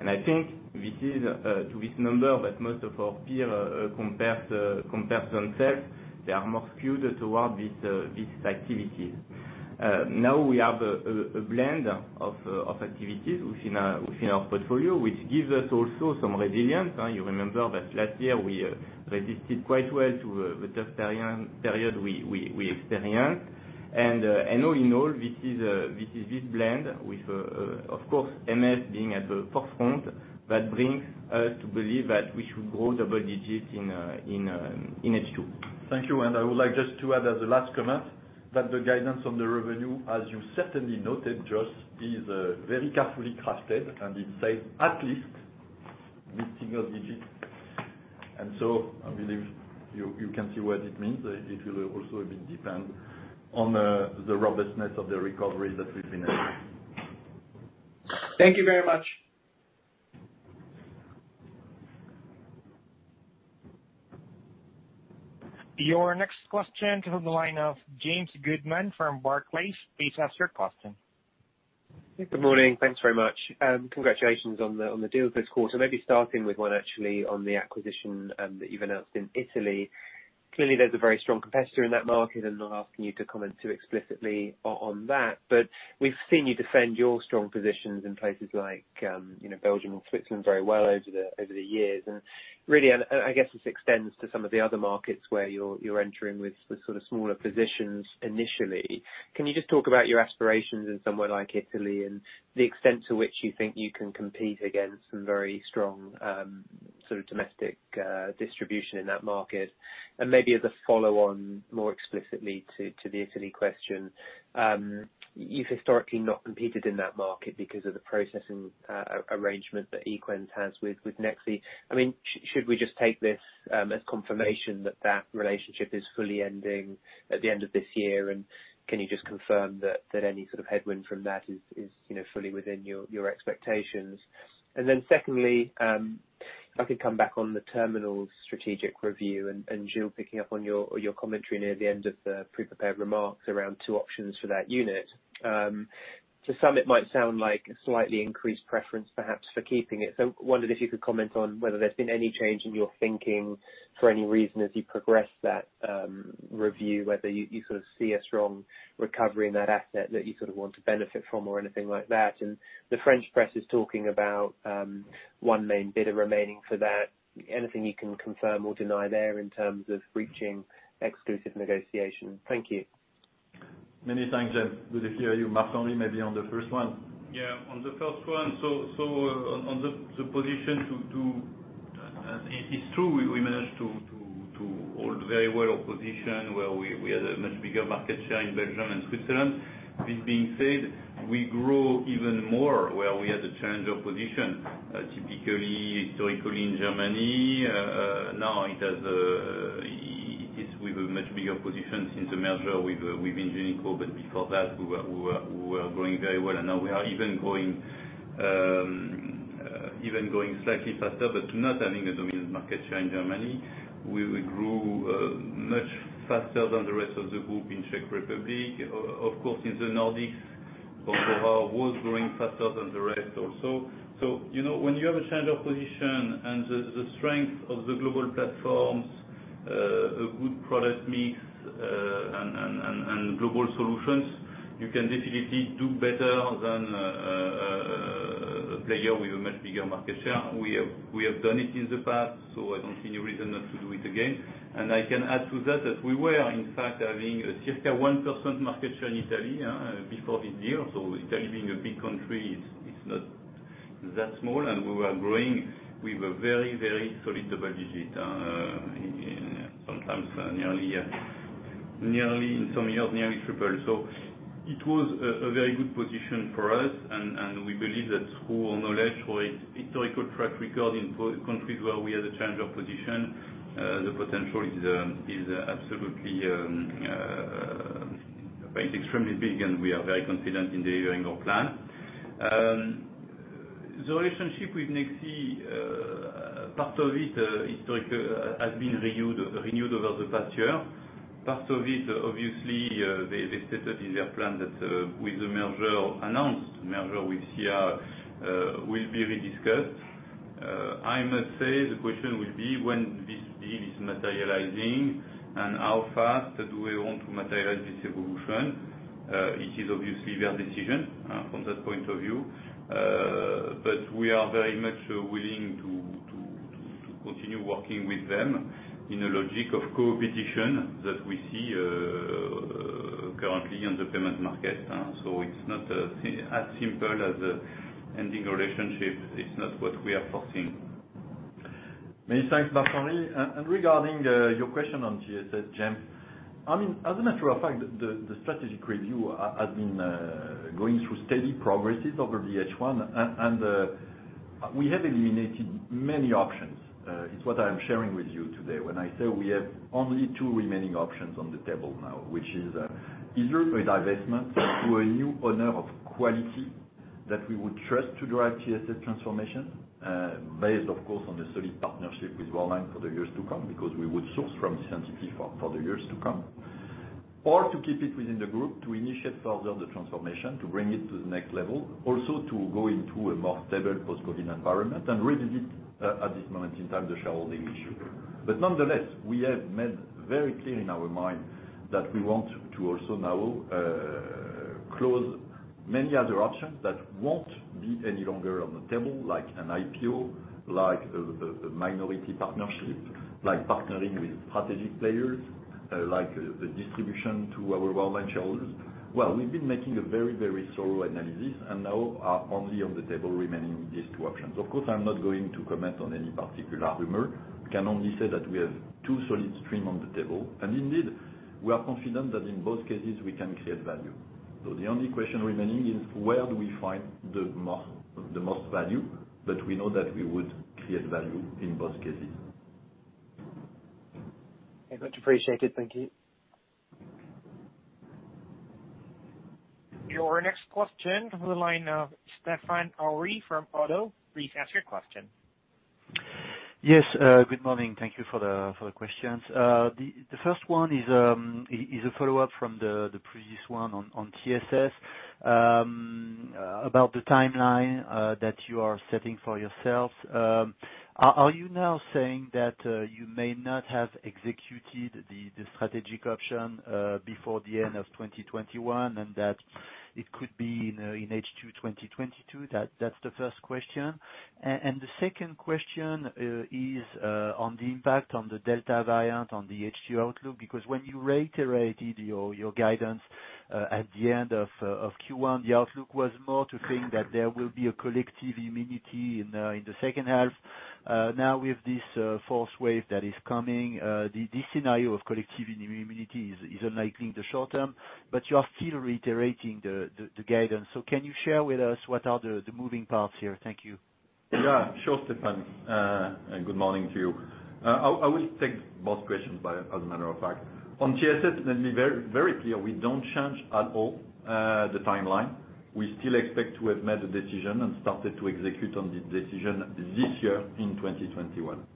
D: I think this is to this number that most of our peer compare themselves. They are more skewed towards these activities. Now we have a blend of activities within our portfolio, which gives us also some resilience. You remember that last year we resisted quite well to the tough period we experienced. All in all, this is this blend with, of course, MS being at the forefront, that brings us to believe that we should grow double digits in H2.
B: Thank you. I would like just to add as a last comment, that the guidance on the revenue, as you certainly noted, Jos, is very carefully crafted, and it says at least mid-single digit. I believe you can see what it means. It will also a bit depend on the robustness of the recovery that we've been having.
E: Thank you very much.
A: Your next question comes on the line of James Goodman from Barclays. Please ask your question.
F: Good morning. Thanks very much. Congratulations on the deals this quarter. Maybe starting with one actually on the acquisition that you've announced in Italy. Clearly, there's a very strong competitor in that market, and I'm not asking you to comment too explicitly on that. We've seen you defend your strong positions in places like Belgium and Switzerland very well over the years. Really, I guess this extends to some of the other markets where you're entering with the sort of smaller positions initially. Can you just talk about your aspirations in somewhere like Italy and the extent to which you think you can compete against some very strong sort of domestic distribution in that market? Maybe as a follow-on more explicitly to the Italy question, you've historically not competed in that market because of the processing arrangement that Equens has with Nexi. Should we just take this as confirmation that relationship is fully ending at the end of this year, and can you just confirm that any sort of headwind from that is fully within your expectations? Secondly, if I could come back on the terminal strategic review, and Gilles picking up on your commentary near the end of the pre-prepared remarks around two options for that unit. To some it might sound like a slightly increased preference, perhaps for keeping it. Wondered if you could comment on whether there's been any change in your thinking for any reason as you progress that review, whether you sort of see a strong recovery in that asset that you sort of want to benefit from or anything like that. The French press is talking about one main bidder remaining for that. Anything you can confirm or deny there in terms of reaching exclusive negotiations? Thank you.
B: Many thanks, Jim. With the CEO, Marc-Henri Desportes, maybe on the first one.
C: Yeah. On the first one. It's true we managed to hold very well our position where we had a much bigger market share in Belgium and Switzerland. This being said, we grow even more where we had a change of position. Typically, historically in Germany, now it is with a much bigger position since the merger with Ingenico. Before that we were growing very well and now we are even going slightly faster, but not having a dominant market share in Germany. We grew much faster than the rest of the group in Czech Republic. Of course, in the Nordics, Worldline was growing faster than the rest also. When you have a change of position and the strength of the global platforms, a good product mix, and global solutions, you can definitely do better than a player with a much bigger market share. We have done it in the past. I don't see any reason not to do it again. I can add to that we were in fact having just a 1% market share in Italy before this deal. Italy being a big country, it's not that small, and we were growing with a very, very solid double digit, sometimes nearly in some years nearly triple. It was a very good position for us and we believe that through our knowledge or historical track record in countries where we had a change of position, the potential is absolutely extremely big, and we are very confident in delivering our plan. The relationship with Nexi, part of it historically has been renewed over the past year. Part of it, obviously, they stated in their plan that with the announced merger with SIA will be rediscussed. I must say the question will be when this deal is materializing and how fast do we want to materialize this evolution. It is obviously their decision from that point of view. We are very much willing to continue working with them in a logic of co-petition that we see currently in the payment market. It's not as simple as ending a relationship. It's not what we are foreseen.
B: Many thanks, Marc-Henri. Regarding your question on GSS, Jim, as a matter of fact, the strategic review has been going through steady progress over H1, and we have eliminated many options. It's what I am sharing with you today when I say we have only two remaining options on the table now, which is either a divestment to a new owner of quality that we would trust to drive GSS transformation, based of course, on the solid partnership with Worldline for the years to come, because we would source from CNP for the years to come. To keep it within the group to initiate further the transformation, to bring it to the next level. Also to go into a more stable post-COVID environment and revisit, at this moment in time, the shareholding issue. Nonetheless, we have made very clear in our mind that we want to also now close many other options that won't be any longer on the table, like an IPO, like a minority partnership, like partnering with strategic players, like the distribution to our Worldline shareholders. We've been making a very, very thorough analysis and now are only on the table remaining these two options. Of course, I'm not going to comment on any particular rumor. I can only say that we have two solid stream on the table. Indeed, we are confident that in both cases we can create value. The only question remaining is where do we find the most value? We know that we would create value in both cases.
F: Very much appreciate it. Thank you.
A: Your next question from the line of Stéphane Houri from ODDO. Please ask your question.
G: Yes. Good morning. Thank you for the questions. The first one is a follow-up from the previous one on TSS, about the timeline that you are setting for yourselves. Are you now saying that you may not have executed the strategic option before the end of 2021, and that it could be in H2 2022? That's the first question. The second question is on the impact on the Delta variant on the H2 outlook, because when you reiterated your guidance at the end of Q1, the outlook was more to think that there will be a collective immunity in the second half. Now with this fourth wave that is coming, this scenario of collective immunity is unlikely in the short term, but you are still reiterating the guidance. Can you share with us what are the moving parts here? Thank you.
B: Yeah, sure, Stéphane. Good morning to you. I will take both questions, as a matter of fact. On TSS, let me be very clear, we don't change at all the timeline. We still expect to have made a decision and started to execute on the decision this year in 2021.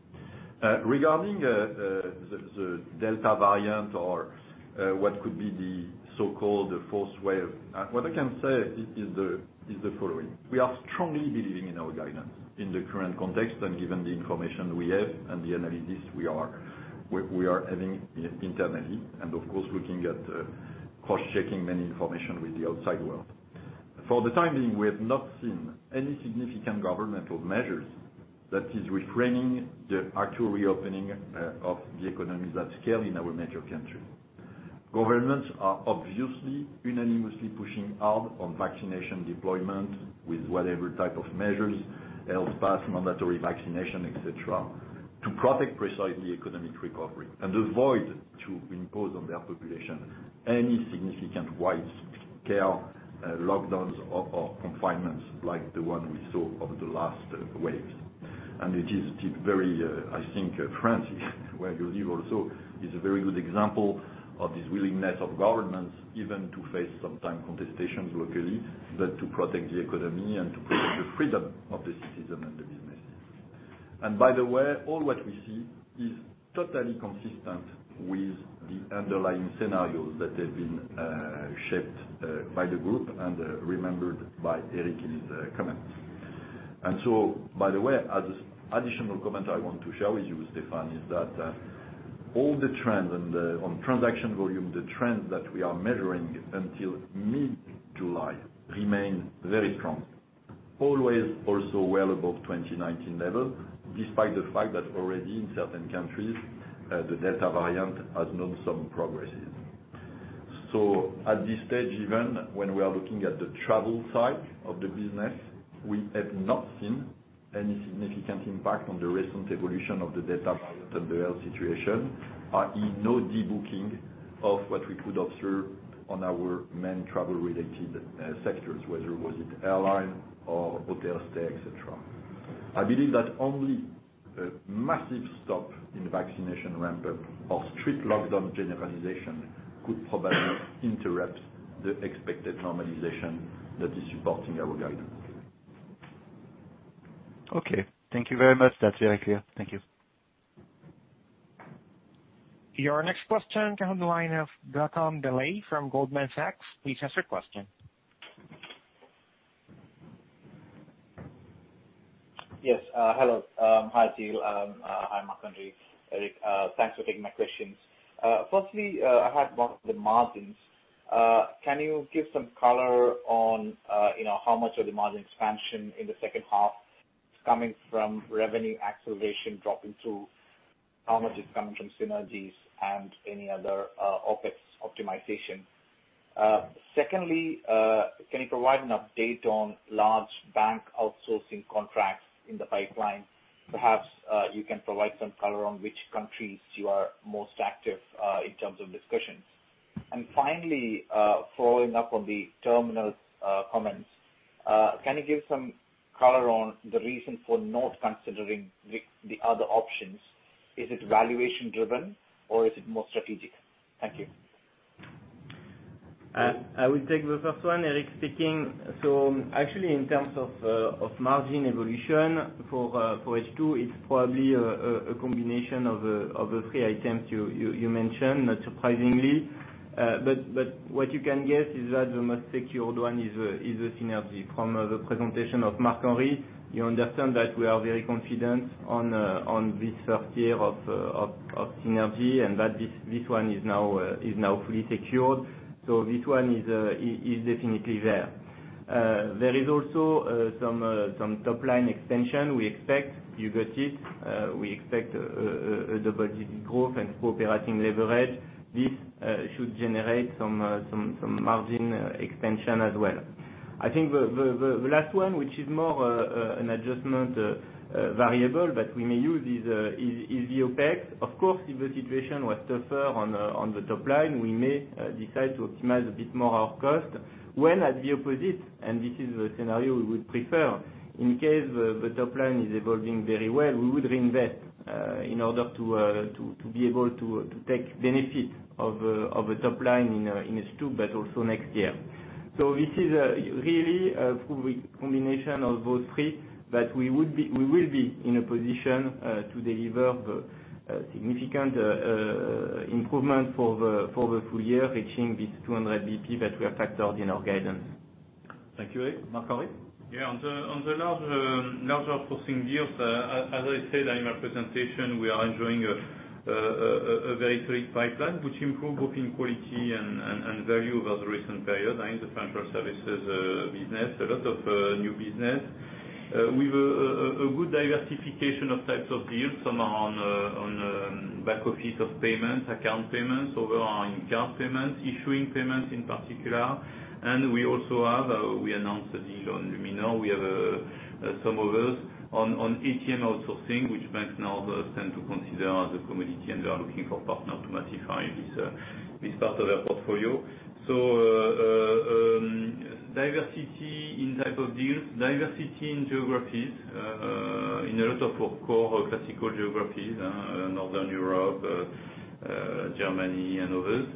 B: Regarding the Delta variant or what could be the so-called fourth wave, what I can say is the following. We are strongly believing in our guidance in the current context and given the information we have and the analysis we are having internally, and of course, looking at cross-checking many information with the outside world. For the time being, we have not seen any significant governmental measures that is refraining the actual reopening of the economies at scale in our major country. Governments are obviously unanimously pushing hard on vaccination deployment with whatever type of measures, health pass, mandatory vaccination, et cetera, to protect precisely economic recovery and avoid to impose on their population any significant widespread lockdowns or confinements like the one we saw over the last waves. It is still very, I think, France, where you live also, is a very good example of this willingness of governments even to face sometime contestations locally, but to protect the economy and to protect the freedom of the citizen and the business. By the way, all what we see is totally consistent with the underlying scenarios that have been shaped by the group and remembered by Eric in his comments. By the way, additional comment I want to share with you, Stephan, is that all the trends on transaction volume, the trends that we are measuring until mid-July remain very strong. Always also well above 2019 level, despite the fact that already in certain countries, the Delta variant has known some progresses. At this stage, even when we are looking at the travel side of the business, we have not seen any significant impact on the recent evolution of the Delta variant and the health situation, i.e., no debooking of what we could observe on our main travel-related sectors, whether was it airline or hotel stay, et cetera. I believe that only a massive stop in vaccination ramp-up or strict lockdown generalization could probably interrupt the expected normalization that is supporting our guidance.
G: Okay. Thank you very much. That is very clear. Thank you.
A: Your next question come on the line of Mohammed Moawalla from Goldman Sachs. Please ask your question.
H: Yes. Hello. Hi to you. Hi, Marc-Henri. Eric. Thanks for taking my questions. I had 1 on the margins. Can you give some color on how much of the margin expansion in the second half is coming from revenue acceleration dropping through, how much is coming from synergies and any other OpEx optimization? Can you provide an update on large bank outsourcing contracts in the pipeline? Perhaps, you can provide some color on which countries you are most active in terms of discussions. Finally, following up on the terminal comments, can you give some color on the reason for not considering the other options? Is it valuation driven or is it more strategic? Thank you.
D: I will take the first one, Eric speaking. Actually, in terms of margin evolution for H2, it's probably a combination of the three items you mentioned, not surprisingly. What you can guess is that the most secured one is the synergy. From the presentation of Marc-Henri, you understand that we are very confident on this first year of synergy and that this one is now fully secured. This one is definitely there. There is also some top-line extension we expect. You got it. We expect a double-digit growth and cooperating leverage. This should generate some margin expansion as well. I think the last one, which is more an adjustment variable that we may use, is the OpEx. Of course, if the situation was tougher on the top line, we may decide to optimize a bit more our cost. When at the opposite, and this is the scenario we would prefer, in case the top line is evolving very well, we would reinvest in order to be able to take benefit of a top line in H2 but also next year. This is really a combination of those three that we will be in a position to deliver the significant improvement for the full year, reaching this 200 basis points that we have factored in our guidance.
B: Thank you Eric. Marc-Henri?
C: On the larger outsourcing deals, as I said in my presentation, we are enjoying a very solid pipeline, which improved booking quality and value over the recent period in the financial services business, a lot of new business. We've a good diversification of types of deals, some are on back office of payments, account payments over on card payments, issuing payments in particular. We also have, we announced a deal on Luminor. We have some others on ATM outsourcing, which banks now tend to consider as a commodity, and they are looking for partner to modify this part of their portfolio. Diversity in type of deals, diversity in geographies, in a lot of our core classical geographies, Northern Europe, Germany, and others.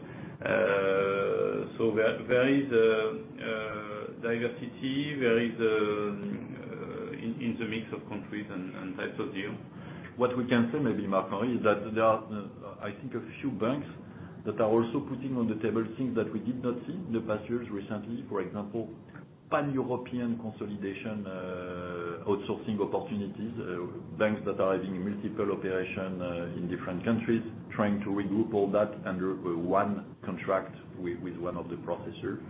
C: There is diversity in the mix of countries and types of deal.
B: What we can say maybe, Marc-Henri, is that there are, I think, a few banks that are also putting on the table things that we did not see the past years recently. For example, Pan-European consolidation, outsourcing opportunities, banks that are having multiple operations in different countries trying to regroup all that under one contract with one of the processors.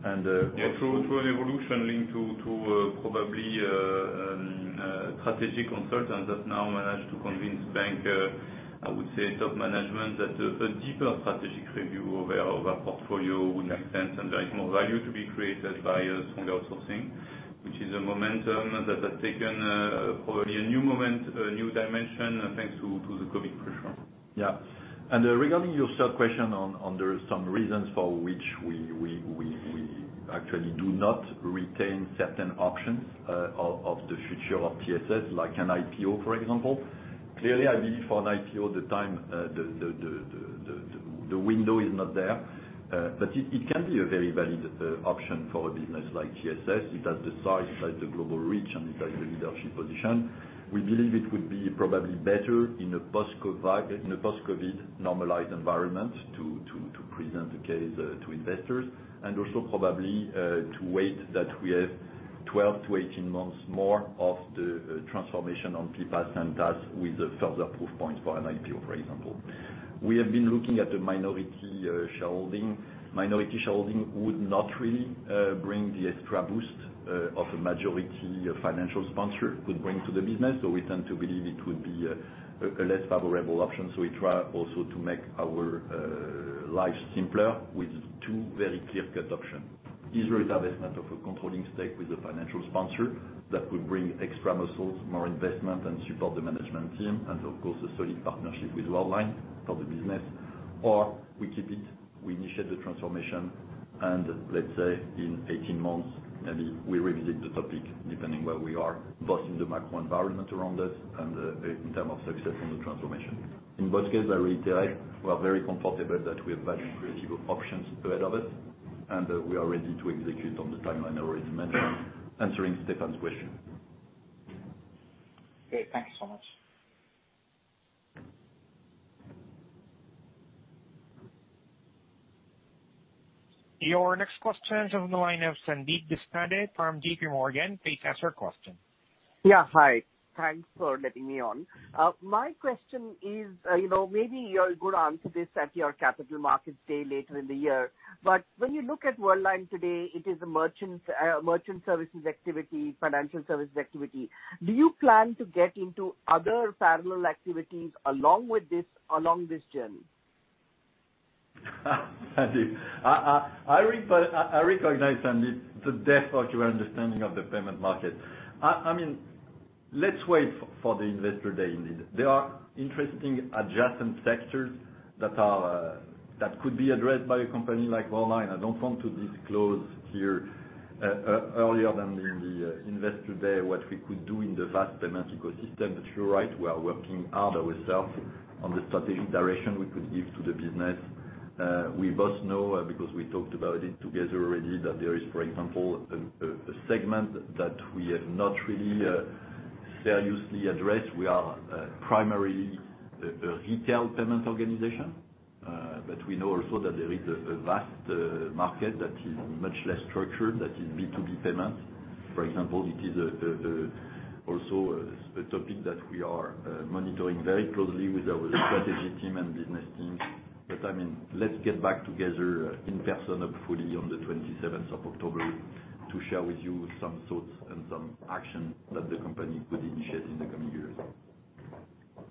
C: Yeah. Through an evolution linked to probably strategic consultants that now manage to convince bank, I would say, top management that a deeper strategic review of their portfolio would make sense, and there is more value to be created by stronger outsourcing, which is a momentum that has taken probably a new moment, a new dimension, thanks to the COVID pressure.
B: Yeah. Regarding your third question on there some reasons for which we actually do not retain certain options of the future of TSS, like an IPO, for example. Clearly, I believe for an IPO, the time, the window is not there. It can be a very valid option for a business like TSS. It has the size, it has the global reach, and it has the leadership position. We believe it would be probably better in a post-COVID normalized environment to present the case to investors. Also probably to wait that we have 12 to 18 months more of the transformation on PPaaS and TaaS with further proof points for an IPO, for example. We have been looking at the minority shareholding. Minority shareholding would not really bring the extra boost of a majority financial sponsor could bring to the business. We tend to believe it would be a less favorable option. We try also to make our lives simpler with two very clear-cut options. Either establishment of a controlling stake with a financial sponsor that could bring extra muscles, more investment, and support the management team. Of course, a solid partnership with Worldline for the business. We keep it, we initiate the transformation, let's say in 18 months, maybe we revisit the topic depending where we are, both in the macro environment around us and in term of success on the transformation. In both case, I reiterate, we are very comfortable that we have value creative options ahead of us, and we are ready to execute on the timeline I already mentioned, answering Stéphane's question.
H: Great. Thank you so much.
A: Your next question is on the line of Sandeep Deshpande from J.P. Morgan. Please ask your question.
I: Yeah. Hi. Thanks for letting me on. My question is, maybe you'll go to answer this at your capital markets day later in the year. When you look at Worldline today, it is a merchant services activity, financial services activity. Do you plan to get into other parallel activities along this journey?
B: Sandeep. I recognize, Sandeep, the depth of your understanding of the payment market. Let's wait for the investor day, indeed. There are interesting adjacent sectors that could be addressed by a company like Worldline. I don't want to disclose here earlier than in the investor day what we could do in the vast payments ecosystem. You're right. We are working hard ourself on the strategic direction we could give to the business. We both know, because we talked about it together already, that there is, for example, a segment that we have not really seriously addressed. We are primarily a retail payment organization. We know also that there is a vast market that is much less structured, that is B2B payments, for example. It is also a topic that we are monitoring very closely with our strategy team and business teams. Let's get back together in person fully on the 27th of October to share with you some thoughts and some action that the company could initiate in the coming years.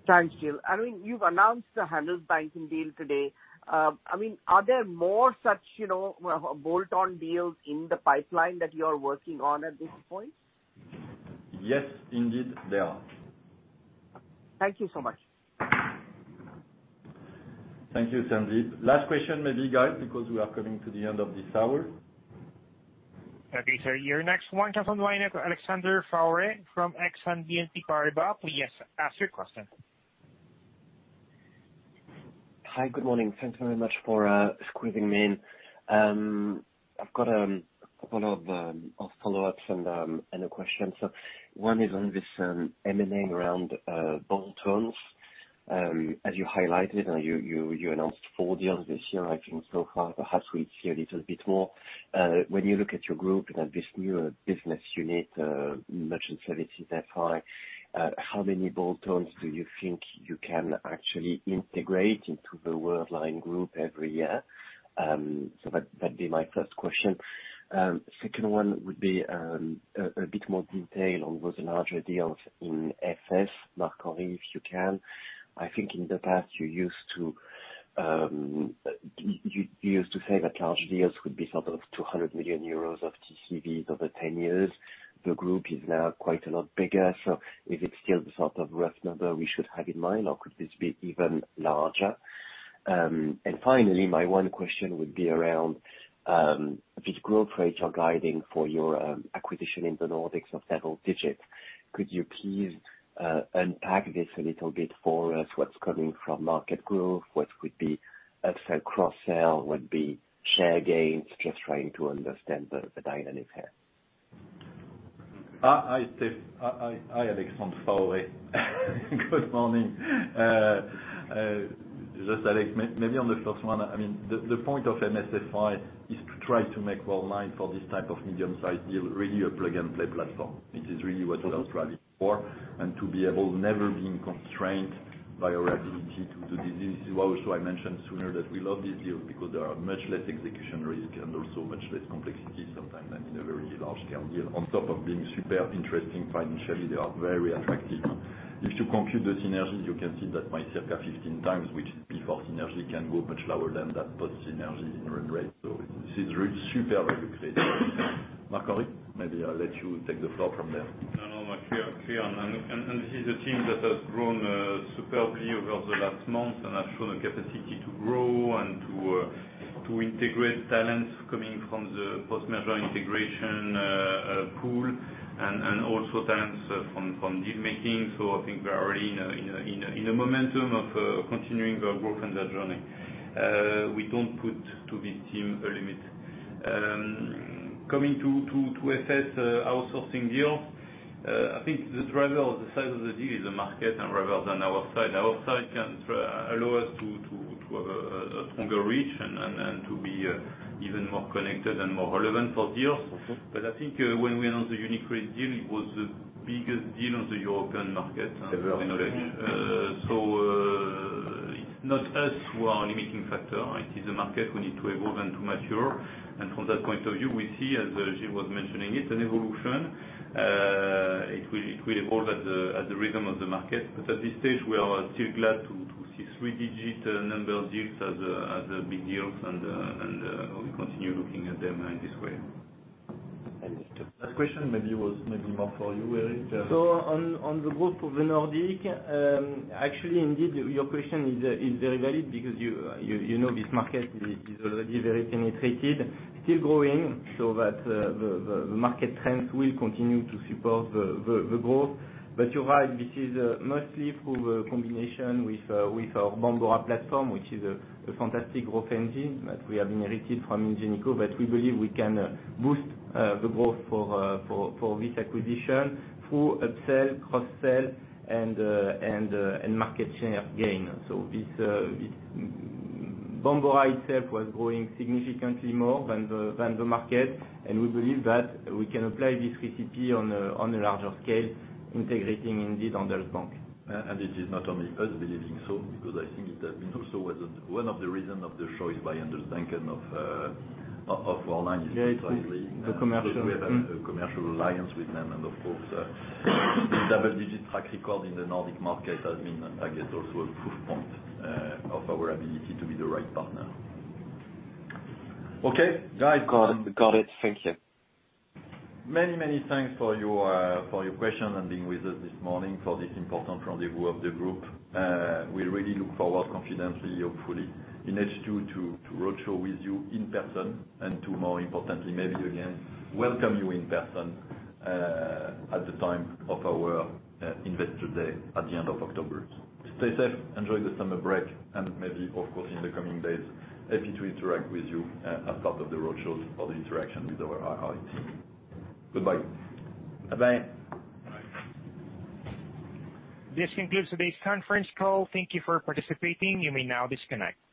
I: Thanks, Gilles. You've announced the Handelsbanken deal today. Are there more such bolt-on deals in the pipeline that you are working on at this point?
B: Yes, indeed there are.
I: Thank you so much.
B: Thank you, Sandeep. Last question, maybe, guys, because we are coming to the end of this hour.
A: Okay, sir. Your next one comes on the line, Alexandre Faure from Exane and BNP Paribas. Please ask your question.
J: Hi, good morning. Thanks very much for squeezing me in. I've got a couple of follow-ups and a question. One is on this M&A around bolt-ons. As you highlighted, you announced four deals this year, I think so far. Perhaps we'll see a little bit more. When you look at your group and this newer business unit, Merchant Services FI, how many bolt-ons do you think you can actually integrate into the Worldline group every year? That'd be my first question. Second one would be a bit more detail on those larger deals in FS, Marc-Henri, if you can. I think in the past, you used to say that large deals could be sort of 200 million euros of TCVs over 10 years. The group is now quite a lot bigger, is it still the sort of rough number we should have in mind, or could this be even larger? Finally, my one question would be around this growth rate you're guiding for your acquisition in the Nordics of several digits. Could you please unpack this a little bit for us, what's coming from market growth, what could be upsell, cross-sell, would be share gains? Just trying to understand the dynamics here.
B: Hi, Alexandre Faure. Good morning. Just Alex, maybe on the first one, the point of MSFI is to try to make Worldline for this type of medium-sized deal really a plug-and-play platform. This is really what Worldline is for. To be able, never being constrained by our ability to do this. Also, I mentioned sooner that we love this deal because there are much less execution risk and also much less complexity sometimes than in a very large-scale deal. On top of being super interesting financially, they are very attractive. If you compute the synergy, you can see that my circa 15x, which before synergy can go much lower than that post-synergy run rate. This is really super lucrative. Marc-Henri, maybe I'll let you take the floor from there.
C: No, no, clear. This is a team that has grown superbly over the last month and has shown a capacity to grow and to integrate talents coming from the post-merger integration pool, and also talents from deal-making. I think we're already in the momentum of continuing their growth and their journey. We don't put to this team a limit. Coming to FS outsourcing deal, I think the driver of the size of the deal is the market rather than our side. Our side can allow us to have a stronger reach and to be even more connected and more relevant for deals. I think when we announced the UniCredit deal, it was the biggest deal on the European market.
B: Ever. Not us who are a limiting factor. It is the market who need to evolve and to mature. From that point of view, we see, as Gilles was mentioning it, an evolution. It will evolve at the rhythm of the market. At this stage, we are still glad to see three-digit number deals as big deals and we continue looking at them in this way.
J: And to-
B: That question maybe was maybe more for you, Eric.
D: On the growth of the Nordic, actually, indeed, your question is very valid because you know this market is already very penetrated, still growing, so that the market trends will continue to support the growth. You're right, this is mostly through the combination with our Bambora platform, which is a fantastic growth engine that we have inherited from Ingenico. We believe we can boost the growth for this acquisition through upsell, cross-sell, and market share gain. Bambora itself was growing significantly more than the market, and we believe that we can apply this recipe on a larger scale, integrating indeed Handelsbanken.
B: It is not only us believing so, because I think it has been also one of the reasons of the choice by Handelsbanken of Worldline is precisely.
C: Yeah, it is the.
B: We have a commercial alliance with them and of course this double-digit track record in the Nordic market has been, I guess, also a proof point of our ability to be the right partner. Okay, guys?
J: Got it. Thank you.
B: Many thanks for your question and being with us this morning for this important rendezvous of the group. We really look forward confidently, hopefully, in H2 to roadshow with you in person and to more importantly, maybe again, welcome you in person at the time of our investor day at the end of October. Stay safe, enjoy the summer break, and maybe, of course, in the coming days, happy to interact with you as part of the road shows or the interaction with our IR team. Goodbye.
D: Bye-bye.
C: Bye.
A: This concludes today's conference call. Thank you for participating. You may now disconnect.